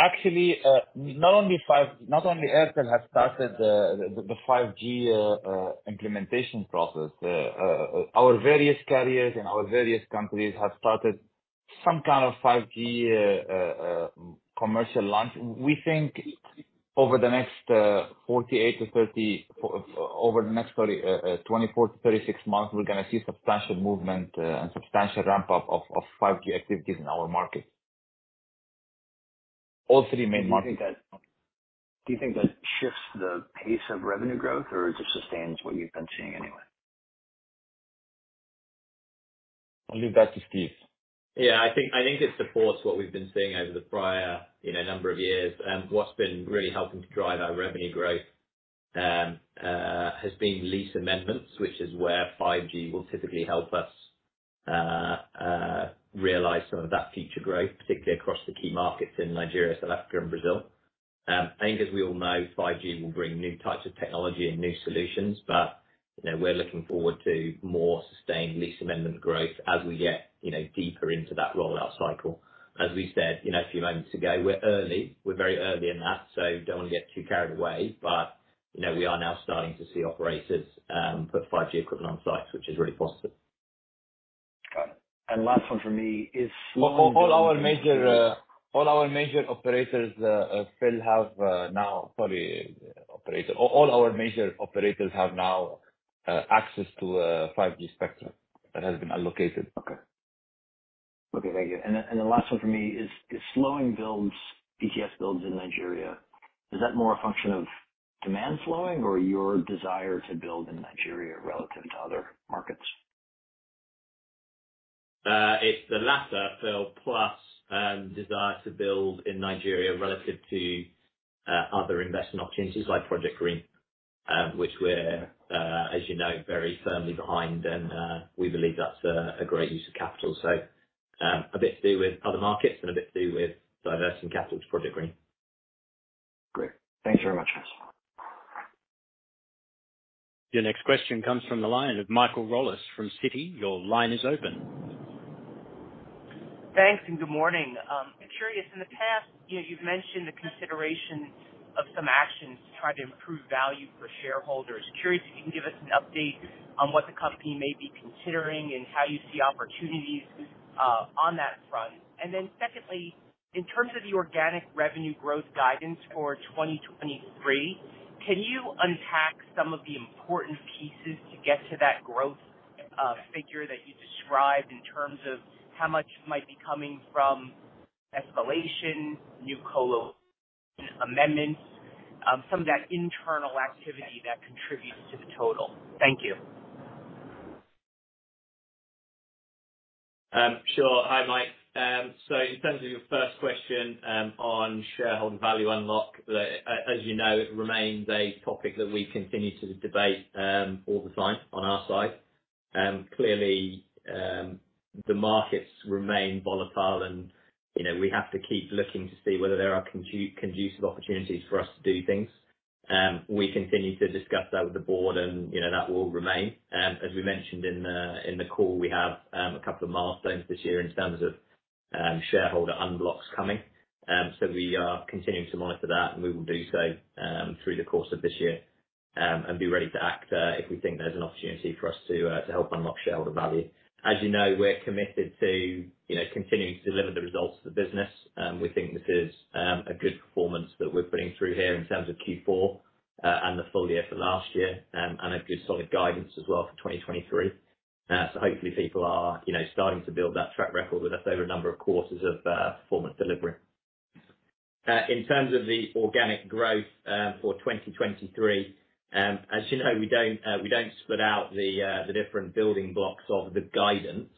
Speaker 3: Actually, not only Airtel has started the 5G implementation process. Our various carriers in our various countries have started some kind of 5G commercial launch. We think over the next 30, 24 to 36 months, we're gonna see substantial movement and substantial ramp up of 5G activities in our market. All three main markets.
Speaker 5: Do you think that shifts the pace of revenue growth or it just sustains what you've been seeing anyway?
Speaker 3: I'll leave that to Steve.
Speaker 4: Yeah. I think, I think it supports what we've been seeing over the prior, you know, number of years. What's been really helping to drive our revenue growth has been Lease Amendments, which is where 5G will typically help us realize some of that future growth, particularly across the key markets in Nigeria, South Africa and Brazil. I think as we all know, 5G will bring new types of technology and new solutions, but, you know, we're looking forward to more sustained Lease Amendment growth as we get, you know, deeper into that rollout cycle. As we said, you know, a few moments ago, we're early, we're very early in that, so don't want to get too carried away. You know, we are now starting to see operators put 5G equipment on sites, which is really positive.
Speaker 5: Got it. Last one for me is slowing.
Speaker 3: All our major operators, Phil, have now fully operated. All our major operators have now access to 5G spectrum that has been allocated.
Speaker 5: Okay. Okay, thank you. The last one for me is slowing builds, BTS builds in Nigeria, is that more a function of demand slowing or your desire to build in Nigeria relative to other markets?
Speaker 4: It's the latter, Phil, plus desire to build in Nigeria relative to other investment opportunities like Project Green, which we're, as you know, very firmly behind and we believe that's a great use of capital. A bit to do with other markets and a bit to do with diversing capital to Project Green.
Speaker 5: Great. Thanks very much, guys.
Speaker 1: Your next question comes from the line of Michael Rollins from Citi. Your line is open.
Speaker 6: Thanks, good morning. I'm curious, in the past, you know, you've mentioned the consideration of some actions to try to improve value for shareholders. Curious if you can give us an update on what the company may be considering and how you see opportunities on that front. Secondly, in terms of the organic revenue growth guidance for 2023, can you unpack some of the important pieces to get to that growth figure that you described in terms of how much might be coming from escalation, new Colo Amendments, some of that internal activity that contributes to the total? Thank you.
Speaker 4: Sure. Hi, Mike. In terms of your first question, on shareholder value unlock, as you know, it remains a topic that we continue to debate all the time on our side. Clearly, the markets remain volatile and, you know, we have to keep looking to see whether there are conducive opportunities for us to do things. We continue to discuss that with the board and, you know, that will remain. As we mentioned in the call, we have a couple of milestones this year in terms of shareholder unblocks coming. We are continuing to monitor that, and we will do so through the course of this year and be ready to act if we think there's an opportunity for us to help unlock shareholder value. As you know, we're committed to, you know, continuing to deliver the results of the business. We think this is a good performance that we're putting through here in terms of Q4 and the full year for last year and a good solid guidance as well for 2023. Hopefully people are, you know, starting to build that track record with us over a number of courses of performance delivery. In terms of the organic growth for 2023, as you know, we don't we don't split out the different building blocks of the guidance,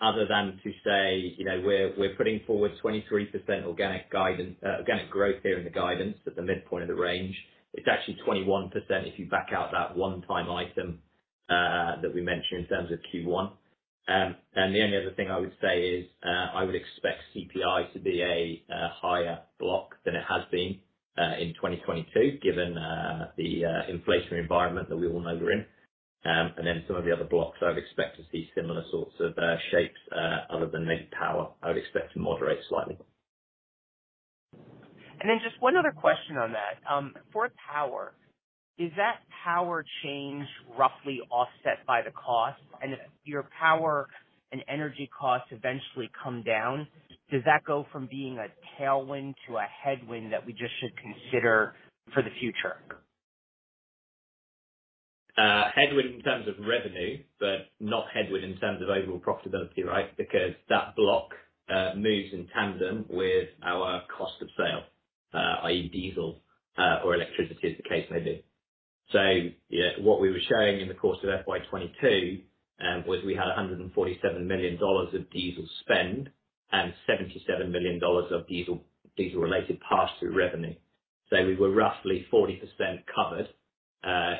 Speaker 4: other than to say, you know, we're we're putting forward 23% organic guidance, organic growth here in the guidance at the midpoint of the range. It's actually 21% if you back out that one-time item, that we mentioned in terms of Q1. The only other thing I would say is, I would expect CPI to be a higher block than it has been in 2023, given the inflationary environment that we all know we're in. Some of the other blocks I would expect to see similar sorts of shapes, other than maybe power, I would expect to moderate slightly.
Speaker 6: Just one other question on that. For power, is that power change roughly offset by the cost? If your power and energy costs eventually come down, does that go from being a tailwind to a headwind that we just should consider for the future?
Speaker 4: Headwind in terms of revenue, not headwind in terms of overall profitability, right? Because that block moves in tandem with our cost of sale, i.e., diesel or electricity as the case may be. What we were showing in the course of FY 2022 was we had $147 million of diesel spend and $77 million of diesel-related pass-through revenue. We were roughly 40% covered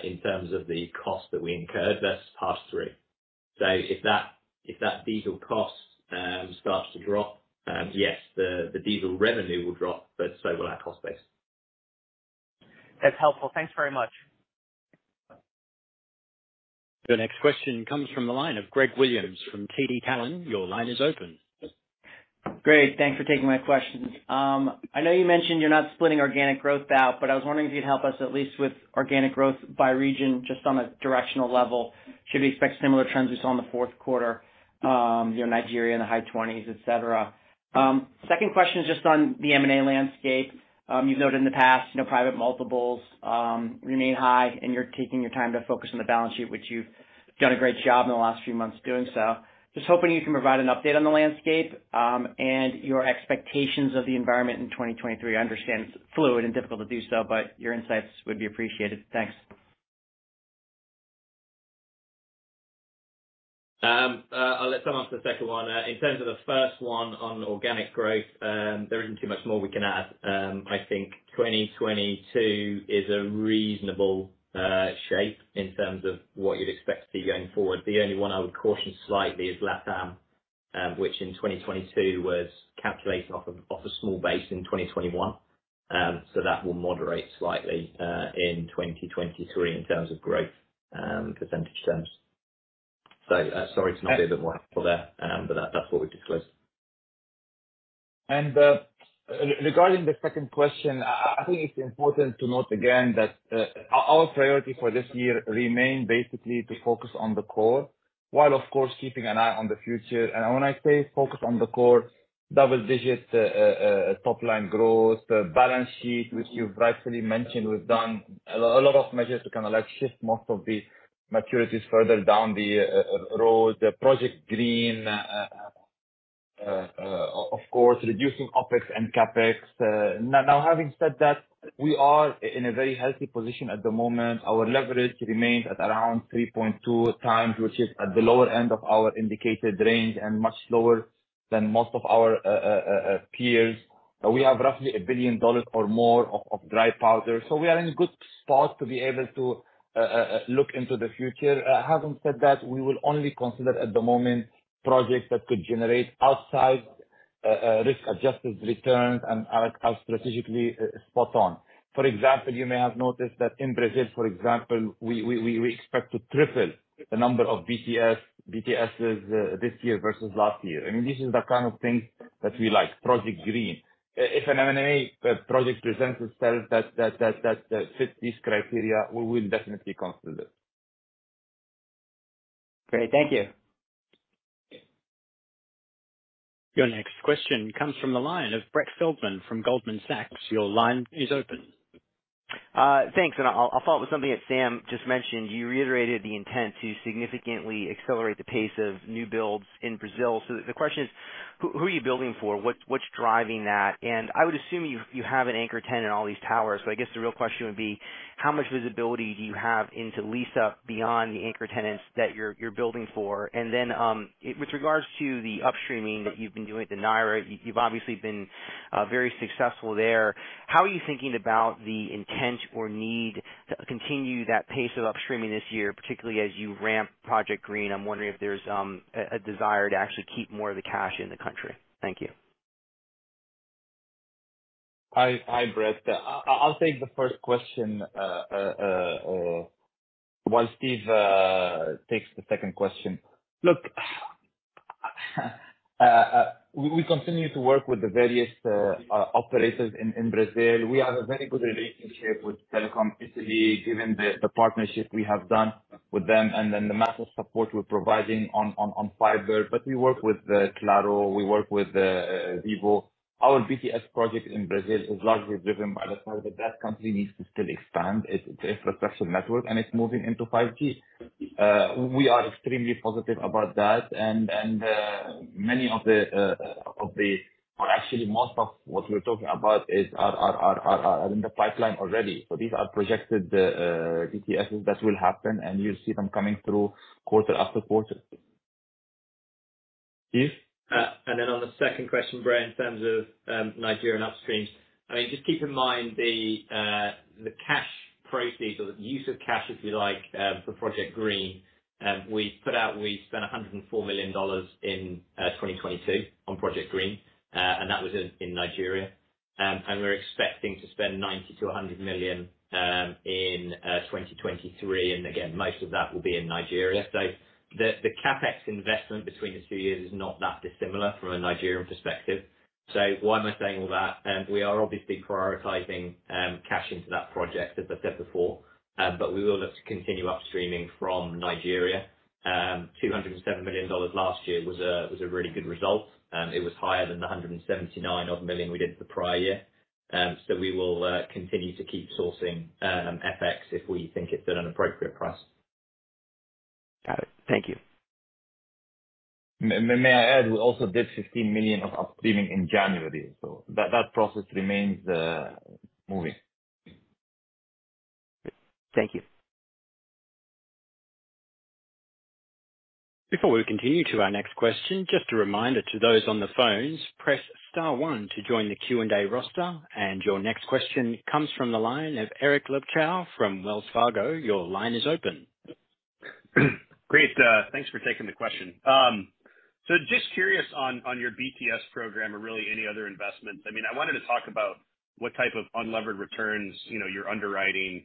Speaker 4: in terms of the cost that we incurred. That's pass-through. If that diesel cost starts to drop, yes, the diesel revenue will drop, but so will our cost base.
Speaker 6: That's helpful. Thanks very much.
Speaker 1: The next question comes from the line of Gregory Williams from TD Cowen. Your line is open.
Speaker 7: Great. Thanks for taking my questions. I know you mentioned you're not splitting organic growth out, I was wondering if you'd help us at least with organic growth by region, just on a directional level. Should we expect similar trends we saw in the fourth quarter, you know, Nigeria in the high 20s, et cetera? Second question is just on the M&A landscape. You've noted in the past, you know, private multiples remain high and you're taking your time to focus on the balance sheet, which you've done a great job in the last few months doing so. Just hoping you can provide an update on the landscape and your expectations of the environment in 2023. I understand it's fluid and difficult to do so, your insights would be appreciated. Thanks.
Speaker 4: Let's start off with the second one. In terms of the first one on organic growth, there isn't too much more we can add. I think 2022 is a reasonable shape in terms of what you'd expect to see going forward. The only one I would caution slightly is Latam, which in 2022 was calculated off a small base in 2021. That will moderate slightly in 2023 in terms of growth, percentage terms. Sorry to not be a bit more helpful there, but that's what we disclosed.
Speaker 3: Regarding the second question, I think it's important to note again that our priority for this year remains basically to focus on the core, while of course keeping an eye on the future. When I say focus on the core, double-digits top line growth, balance sheet, which you've rightfully mentioned, we've done a lot of measures to kinda like shift most of the maturities further down the road. Project Green, of course reducing OpEx and CapEx. Now having said that, we are in a very healthy position at the moment. Our leverage remains at around 3.2x, which is at the lower end of our indicated range and much lower than most of our peers. We have roughly $1 billion or more of dry powder. We are in good spot to be able to look into the future. Having said that, we will only consider at the moment projects that could generate outside risk-adjusted returns and are strategically spot on. For example, you may have noticed that in Brazil, for example, we expect to triple the number of BTSs this year versus last year. I mean, this is the kind of thing that we like. Project Green. If an M&A project presents itself that fits these criteria, we will definitely consider it.
Speaker 7: Great. Thank you.
Speaker 1: Your next question comes from the line of Brett Feldman from Goldman Sachs. Your line is open.
Speaker 8: Thanks. I'll follow up with something that Sam just mentioned. You reiterated the intent to significantly accelerate the pace of new builds in Brazil. The question is, who are you building for? What's driving that? I would assume you have an anchor tenant in all these towers. I guess the real question would be, how much visibility do you have into lease-up beyond the anchor tenants that you're building for? With regards to the upstreaming that you've been doing at Nigeria, you've obviously been very successful there. How are you thinking about the intent or need to continue that pace of upstreaming this year, particularly as you ramp Project Green? I'm wondering if there's a desire to actually keep more of the cash in the country. Thank you.
Speaker 3: Hi, Brett. I'll take the first question while Steve takes the second question. Look, we continue to work with the various operators in Brazil. We have a very good relationship with Telecom Italia, given the partnership we have done with them, and then the massive support we're providing on fiber. We work with Claro, we work with Vivo. Our BTS project in Brazil is largely driven by the fact that that country needs to still expand its infrastructure network, and it's moving into 5G. We are extremely positive about that. Or actually most of what we're talking about are in the pipeline already. These are projected BTS' that will happen, and you'll see them coming through quarter after quarter. Steve?
Speaker 4: Then on the second question, Brett, in terms of Nigeria and upstream, I mean, just keep in mind the cash proceeds or the use of cash, if you like, for Project Green, we spent $104 million in 2022 on Project Green. That was in Nigeria. We're expecting to spend $90 million-$100 million in 2023. Again, most of that will be in Nigeria. The CapEx investment between the two years is not that dissimilar from a Nigerian perspective. Why am I saying all that? We are obviously prioritizing cash into that project, as I said before. We will look to continue upstreaming from Nigeria. $207 million last year was a really good result. It was higher than the $179 odd million we did for the prior year. We will continue to keep sourcing FX if we think it's at an appropriate price.
Speaker 9: Got it. Thank you.
Speaker 3: May I add, we also did $15 million of upstreaming in January, that process remains moving.
Speaker 6: Thank you.
Speaker 1: Before we continue to our next question, just a reminder to those on the phones, press star one to join the Q&A roster. Your next question comes from the line of Eric Luebchow from Wells Fargo. Your line is open.
Speaker 10: Great. Thanks for taking the question. Just curious on your BTS program or really any other investments. I mean, I wanted to talk about what type of unlevered returns, you know, you're underwriting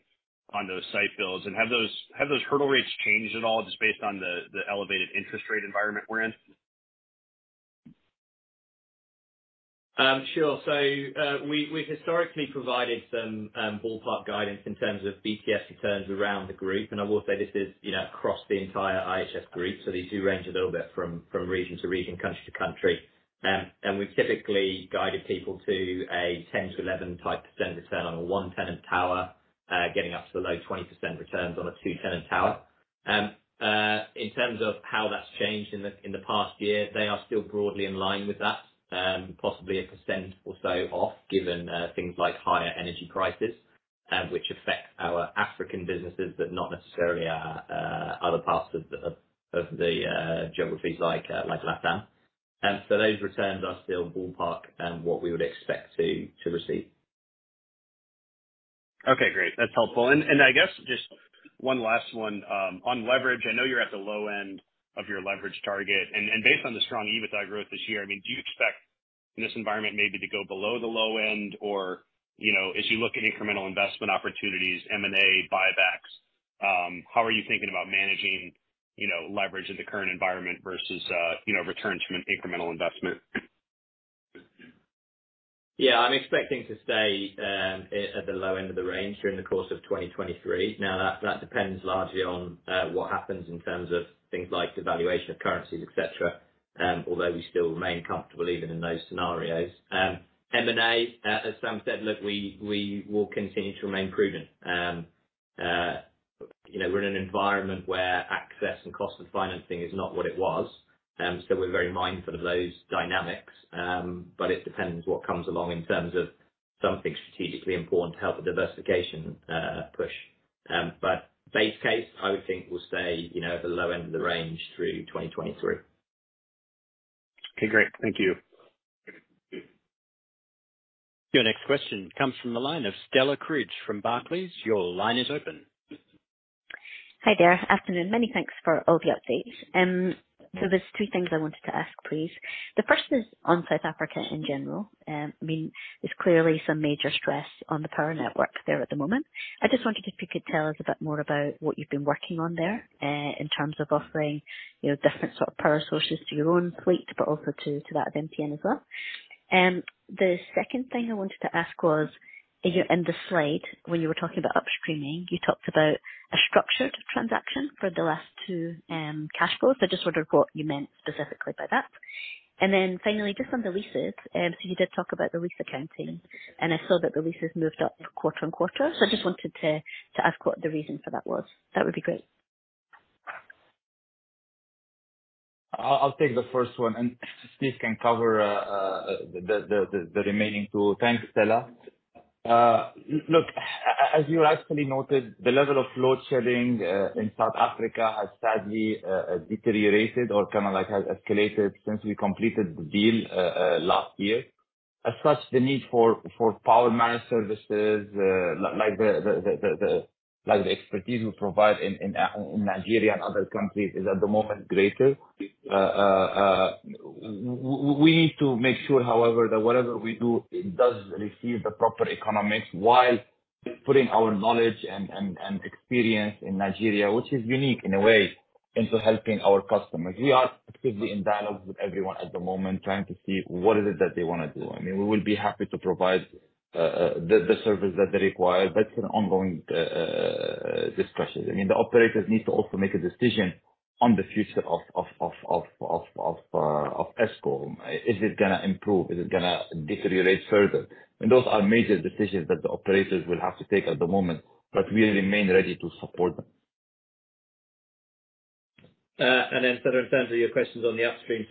Speaker 10: on those site builds. Have those hurdle rates changed at all just based on the elevated interest rate environment we're in?
Speaker 4: We've historically provided some ballpark guidance in terms of BTS returns around the group. I will say this is, you know, across the entire IHS group. These do range a little bit from region to region, country to country. We've typically guided people to a 10%-11% type return on a 1-tenant tower, getting up to the low 20% returns on a 2-tenant tower. In terms of how that's changed in the past year, they are still broadly in line with that, possibly a percent or so off, given things like higher energy prices, which affect our African businesses, but not necessarily our other parts of the geographies like Latam. Those returns are still ballpark and what we would expect to receive.
Speaker 10: Okay, great. That's helpful. I guess just one last one. On leverage, I know you're at the low end of your leverage target and, based on the strong EBITDA growth this year, I mean, do you expect in this environment maybe to go below the low end or, you know, as you look at incremental investment opportunities, M&A, buybacks, how are you thinking about managing, you know, leverage in the current environment versus, you know, returns from an incremental investment?
Speaker 4: Yeah. I'm expecting to stay at the low end of the range during the course of 2023. That depends largely on what happens in terms of things like devaluation of currencies, et cetera, although we still remain comfortable even in those scenarios. M&A, as Sam Darwish said, look, we will continue to remain prudent. You know, we're in an environment where access and cost of financing is not what it was. We're very mindful of those dynamics. It depends what comes along in terms of something strategically important to help the diversification push. Base case, I would think we'll stay, you know, at the low end of the range through 2023.
Speaker 10: Okay, great. Thank you.
Speaker 1: Your next question comes from the line of Stella Crutcher from Barclays. Your line is open.
Speaker 11: Hi there. Afternoon. Many thanks for all the updates. There's two things I wanted to ask, please. The first is on South Africa in general. I mean, there's clearly some major stress on the power network there at the moment. I just wondered if you could tell us a bit more about what you've been working on there, in terms of offering, you know, different sort of power sources to your own fleet, but also to that of MTN as well. The second thing I wanted to ask was, if you in the slide, when you were talking about upstreaming, you talked about a structured transaction for the last two cash flows. Just wonder what you meant specifically by that. Finally, just on the leases, so you did talk about the lease accounting, and I saw that the leases moved up quarter-on-quarter. I just wanted to ask what the reason for that was. That would be great.
Speaker 3: I'll take the first one, and Steve can cover the remaining two. Thanks, Stella. Look, as you rightly noted, the level of load shedding in South Africa has sadly deteriorated or has escalated since we completed the deal last year. Such, the need for Power Managed Services, like the expertise we provide in Nigeria and other countries is at the moment greater. We need to make sure, however, that whatever we do, it does receive the proper economics while putting our knowledge and experience in Nigeria, which is unique in a way, into helping our customers. We are actively in dialogue with everyone at the moment, trying to see what is it that they wanna do. I mean, we will be happy to provide the service that they require. That's an ongoing discussion. I mean, the operators need to also make a decision on the future of Eskom. Is it gonna improve? Is it gonna deteriorate further? Those are major decisions that the operators will have to take at the moment, but we remain ready to support them.
Speaker 4: Then sort of in terms of your questions on the upstream,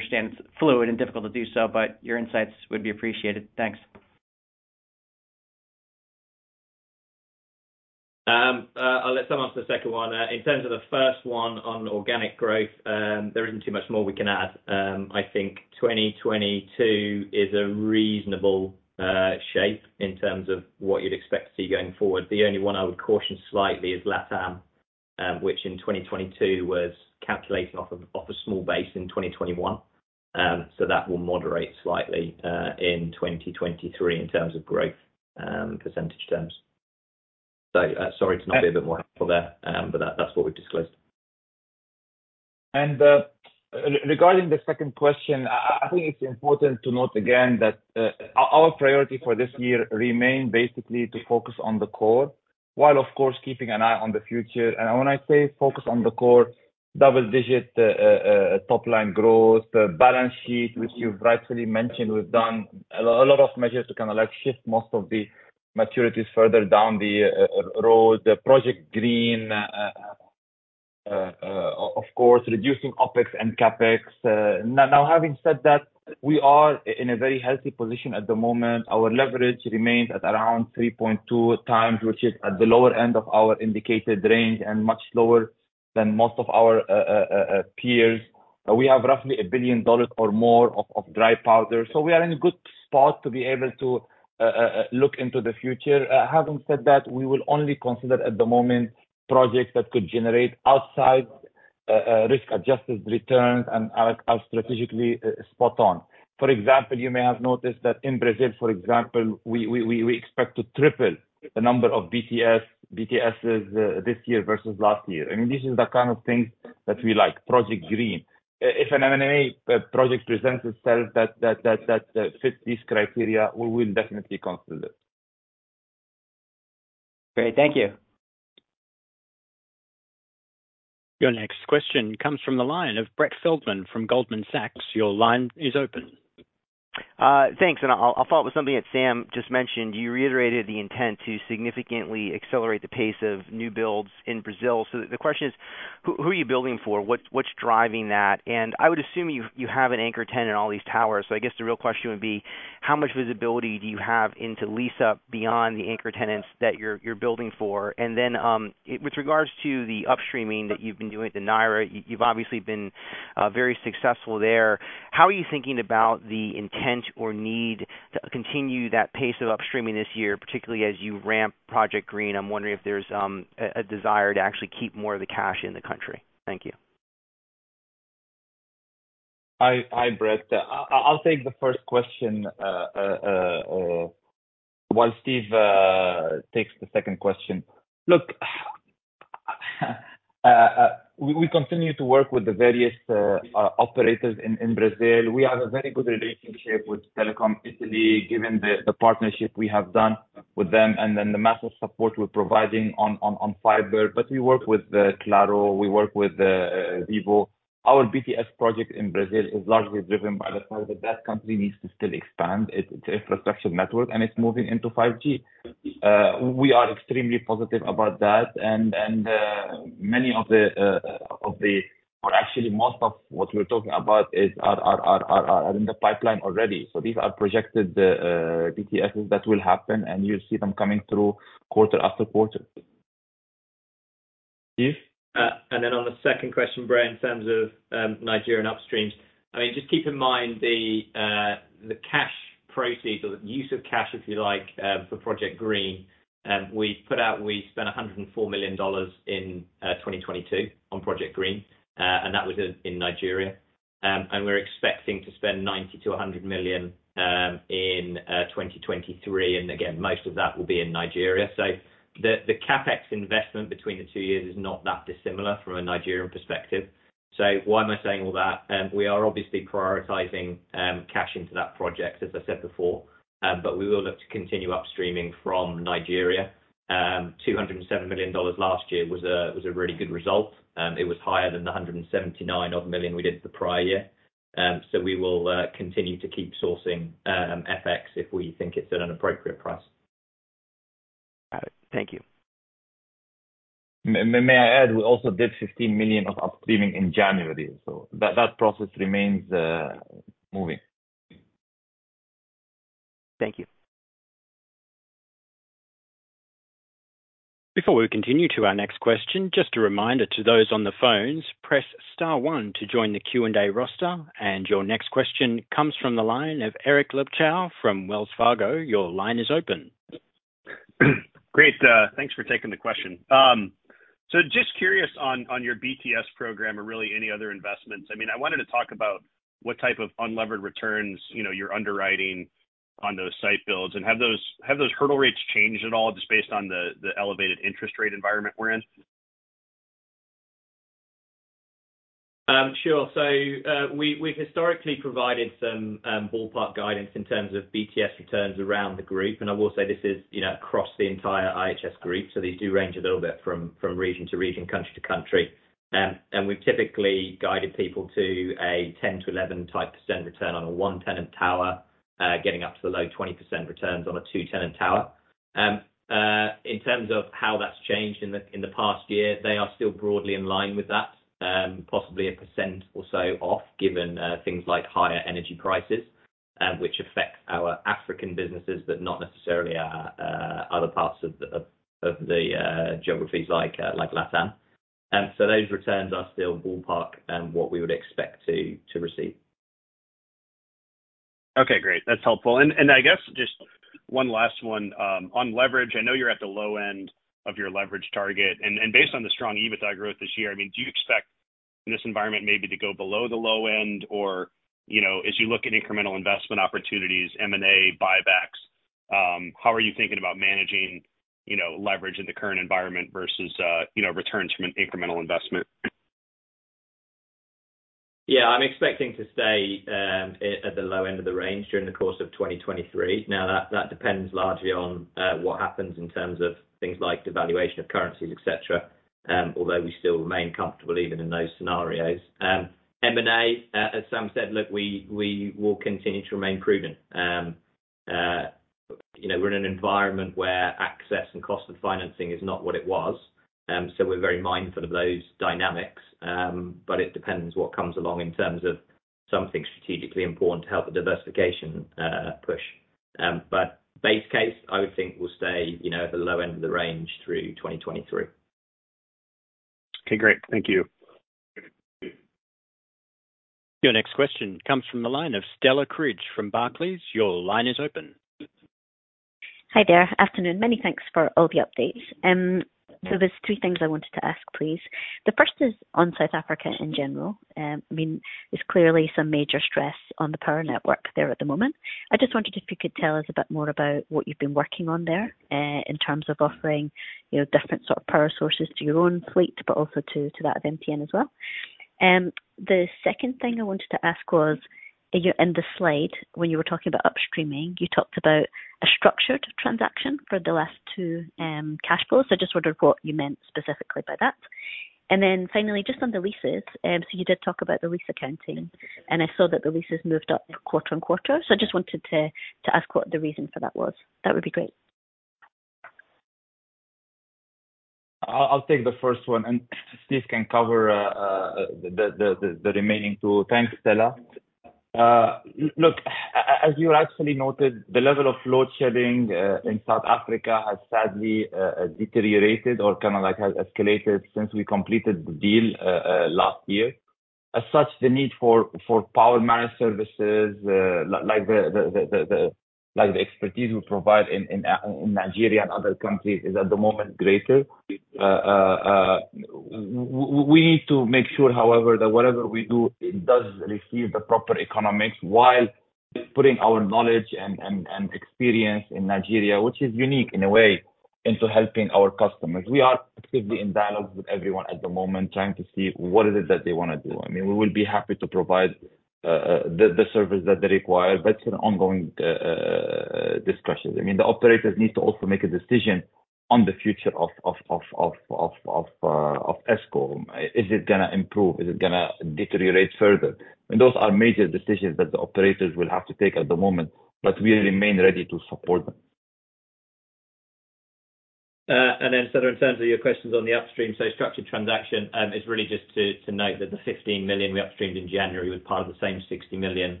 Speaker 4: structured transaction, is really just to note that the $15 million we upstreamed in January was part of the same $60 million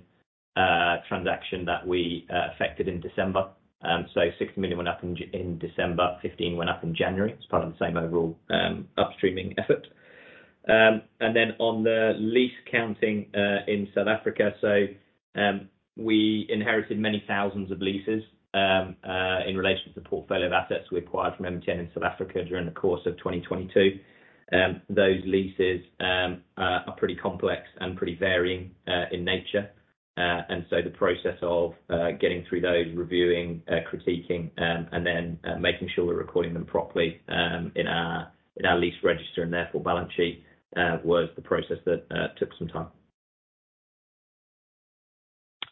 Speaker 4: transaction that we affected in December. $6 million went up in December, $15 million went up in January. It's part of the same overall upstreaming effort. Then on the lease counting in South Africa, we inherited many thousands of leases in relation to the portfolio of assets we acquired from MTN in South Africa during the course of 2022. Those leases are pretty complex and pretty varying in nature. The process of getting through those, reviewing, critiquing, and then making sure we're recording them properly, in our, in our lease register and therefore balance sheet, was the process that took some time.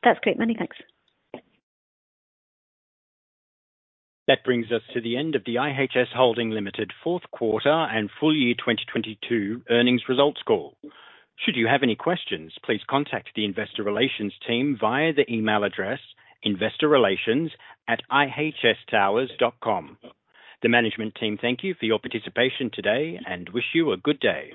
Speaker 11: That's great. Many thanks.
Speaker 1: That brings us to the end of the IHS Holding Limited fourth quarter and full year 2022 earnings results call. Should you have any questions, please contact the investor relations team via the email address investorrelations@ihstowers.com. The management team thank you for your participation today and wish you a good day.